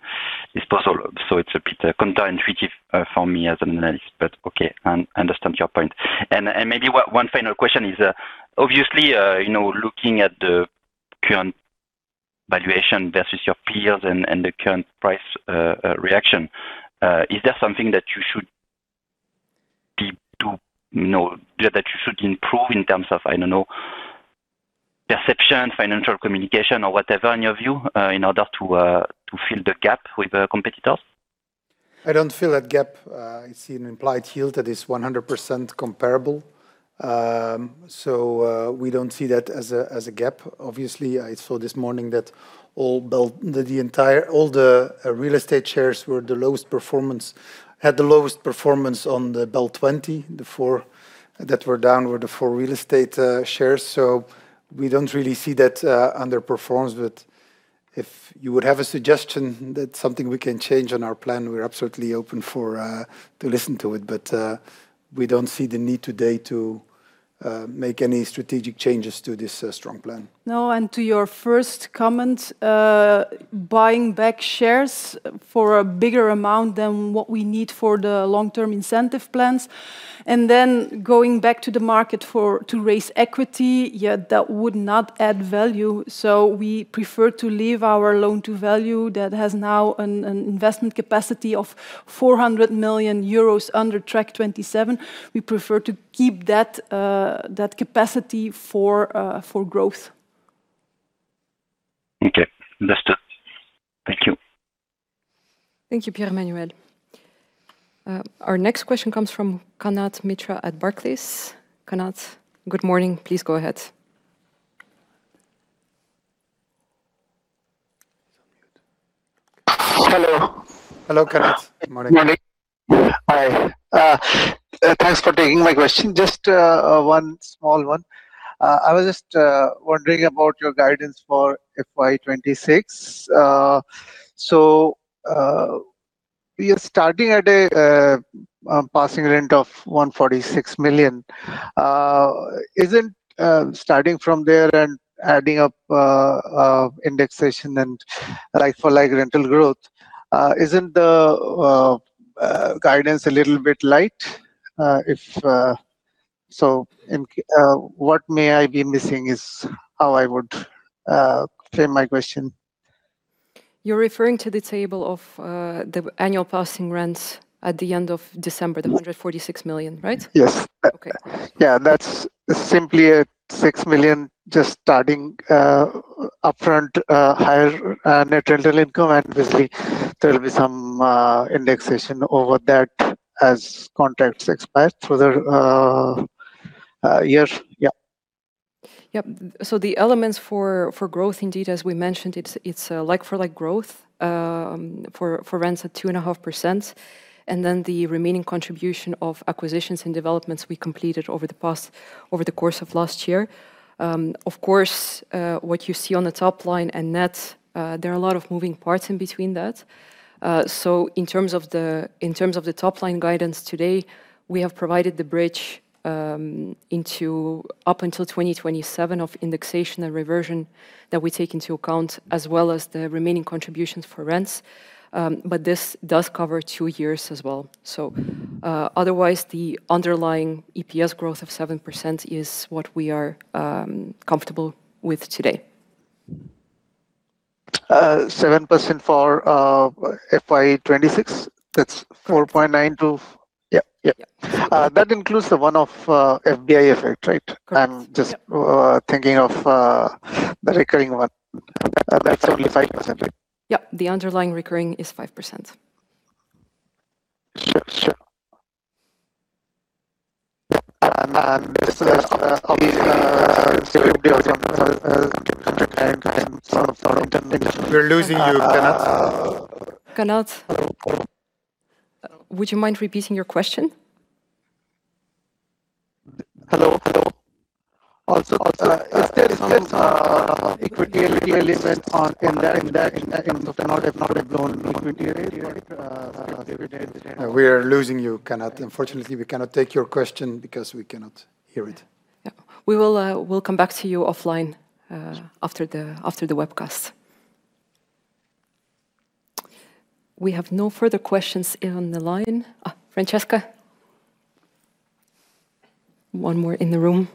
Speaker 11: disposal. So it's a bit counterintuitive for me as an analyst, but okay, I understand your point. And, and maybe one, one final question is, obviously, you know, looking at the current valuation versus your peers and, and the current price reaction, is there something that you should be to, you know, that you should improve in terms of, I don't know, perception, financial communication or whatever, in your view, in order to to fill the gap with the competitors?
Speaker 1: I don't feel that gap, I see an implied yield that is 100% comparable. So, we don't see that as a, as a gap. Obviously, I saw this morning that all BEL, the entire all the real estate shares had the lowest performance on the BEL 20. The four that were down were the four real estate shares. So we don't really see that underperformance, but if you would have a suggestion that something we can change on our plan, we're absolutely open for to listen to it. But, we don't see the need today to make any strategic changes to this strong plan.
Speaker 2: No, and to your first comment, buying back shares for a bigger amount than what we need for the long-term incentive plans, and then going back to the market for, to raise equity, yeah, that would not add value. So we prefer to leave our loan-to-value that has now an investment capacity of 400 million euros under Track 2027. We prefer to keep that, that capacity for, for growth.
Speaker 11: Okay. Understood. Thank you.
Speaker 3: Thank you, Pierre-Emmanuel. Our next question comes from Kanad Mitra at Barclays. Kanad, good morning. Please go ahead.
Speaker 12: Hello.
Speaker 1: Hello, Kanad. Good morning.
Speaker 12: Good morning. Hi, thanks for taking my question. Just, one small one. I was just wondering about your guidance for FY 2026. So, we are starting at a passing rent of 146 million. Isn't, starting from there and adding up, indexation and like-for-like rental growth, isn't the guidance a little bit light, if-... So in ca-, what may I be missing is how I would frame my question?
Speaker 3: You're referring to the table of the annual passing rents at the end of December, the 146 million, right?
Speaker 12: Yes.
Speaker 3: Okay.
Speaker 12: Yeah, that's simply a 6 million just starting upfront higher net rental income, and obviously there will be some indexation over that as contracts expire through the year. Yeah.
Speaker 3: Yep. So the elements for growth, indeed, as we mentioned, it's like-for-like growth for rents at 2.5%, and then the remaining contribution of acquisitions and developments we completed over the course of last year. Of course, what you see on the top line and net, there are a lot of moving parts in between that. So in terms of the top-line guidance today, we have provided the bridge into up until 2027 of indexation and reversion that we take into account, as well as the remaining contributions for rents. But this does cover two years as well. So otherwise, the underlying EPS growth of 7% is what we are comfortable with today.
Speaker 12: 7% for FY 2026? That's 4.92. Yeah. Yeah.
Speaker 3: Yeah.
Speaker 12: That includes the one-off, FBI effect, right?
Speaker 3: Correct.
Speaker 12: I'm just-
Speaker 3: Yeah...
Speaker 12: thinking of, the recurring one. That's only 5%, right?
Speaker 3: Yeah. The underlying recurring is 5%.
Speaker 12: Sure. Sure. Yeah, and, and this is, obviously,
Speaker 1: We're losing you, Kanad.
Speaker 3: Kanad, would you mind repeating your question?
Speaker 12: Hello? Hello. Also, is there some equity element on in that, in that, in the product zone equity rate?
Speaker 1: We are losing you, Kanad. Unfortunately, we cannot take your question because we cannot hear it.
Speaker 3: Yeah. We will, we'll come back to you offline after the webcast. We have no further questions on the line. Francesca? One more in the room.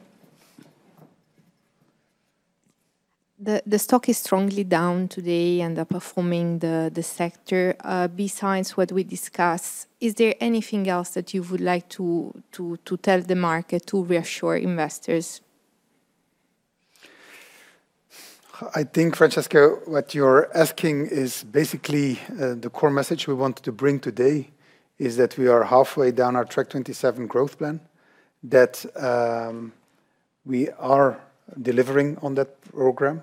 Speaker 6: The stock is strongly down today, and they're performing the sector. Besides what we discuss, is there anything else that you would like to tell the market to reassure investors?
Speaker 1: I think, Francesca, what you're asking is basically, the core message we wanted to bring today, is that we are halfway down our Track 2027 growth plan, that, we are delivering on that program.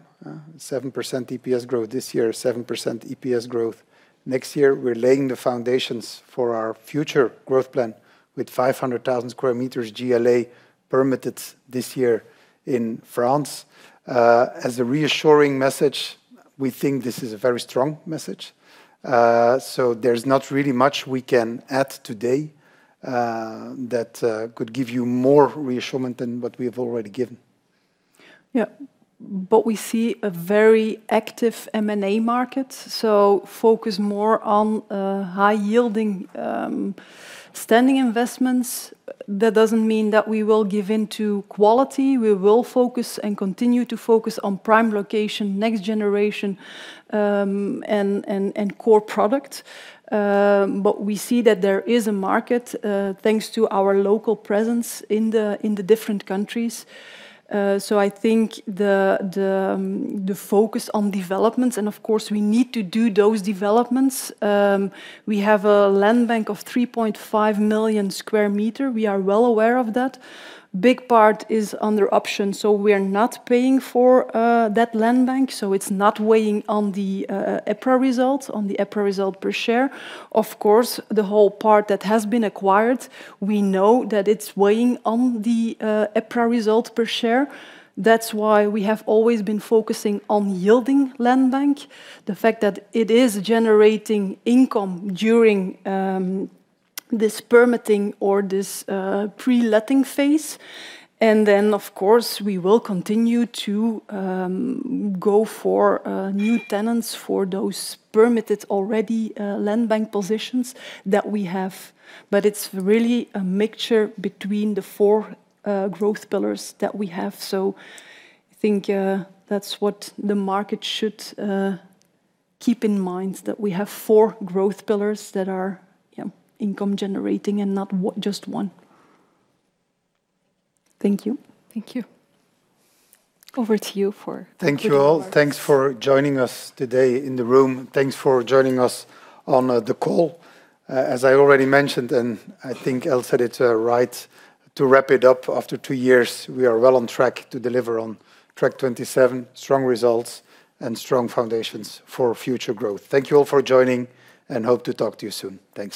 Speaker 1: 7% EPS growth this year, 7% EPS growth next year. We're laying the foundations for our future growth plan with 500,000 sq m GLA permitted this year in France. As a reassuring message, we think this is a very strong message. So there's not really much we can add today, that, could give you more reassurance than what we have already given.
Speaker 2: Yeah, but we see a very active M&A market, so focus more on high-yielding standing investments. That doesn't mean that we will give in to quality. We will focus and continue to focus on prime location, next generation and core product. But we see that there is a market thanks to our local presence in the different countries. So I think the focus on developments, and of course, we need to do those developments. We have a land bank of 3.5 million sq m. We are well aware of that. Big part is under option, so we are not paying for that land bank, so it's not weighing on the EPRA results, on the EPRA result per share. Of course, the whole part that has been acquired, we know that it's weighing on the, EPRA result per share. That's why we have always been focusing on yielding land bank. The fact that it is generating income during, this permitting or this, pre-letting phase, and then, of course, we will continue to, go for, new tenants for those permitted already, land bank positions that we have. But it's really a mixture between the four, growth pillars that we have. So I think, that's what the market should, keep in mind, that we have four growth pillars that are, yeah, income generating and not just one. Thank you.
Speaker 6: Thank you.
Speaker 3: Over to you for-
Speaker 1: Thank you all. Thanks for joining us today in the room. Thanks for joining us on the call. As I already mentioned, and I think Els said it right, to wrap it up, after two years, we are well on track to deliver on Track 2027, strong results and strong foundations for future growth. Thank you all for joining, and hope to talk to you soon. Thanks.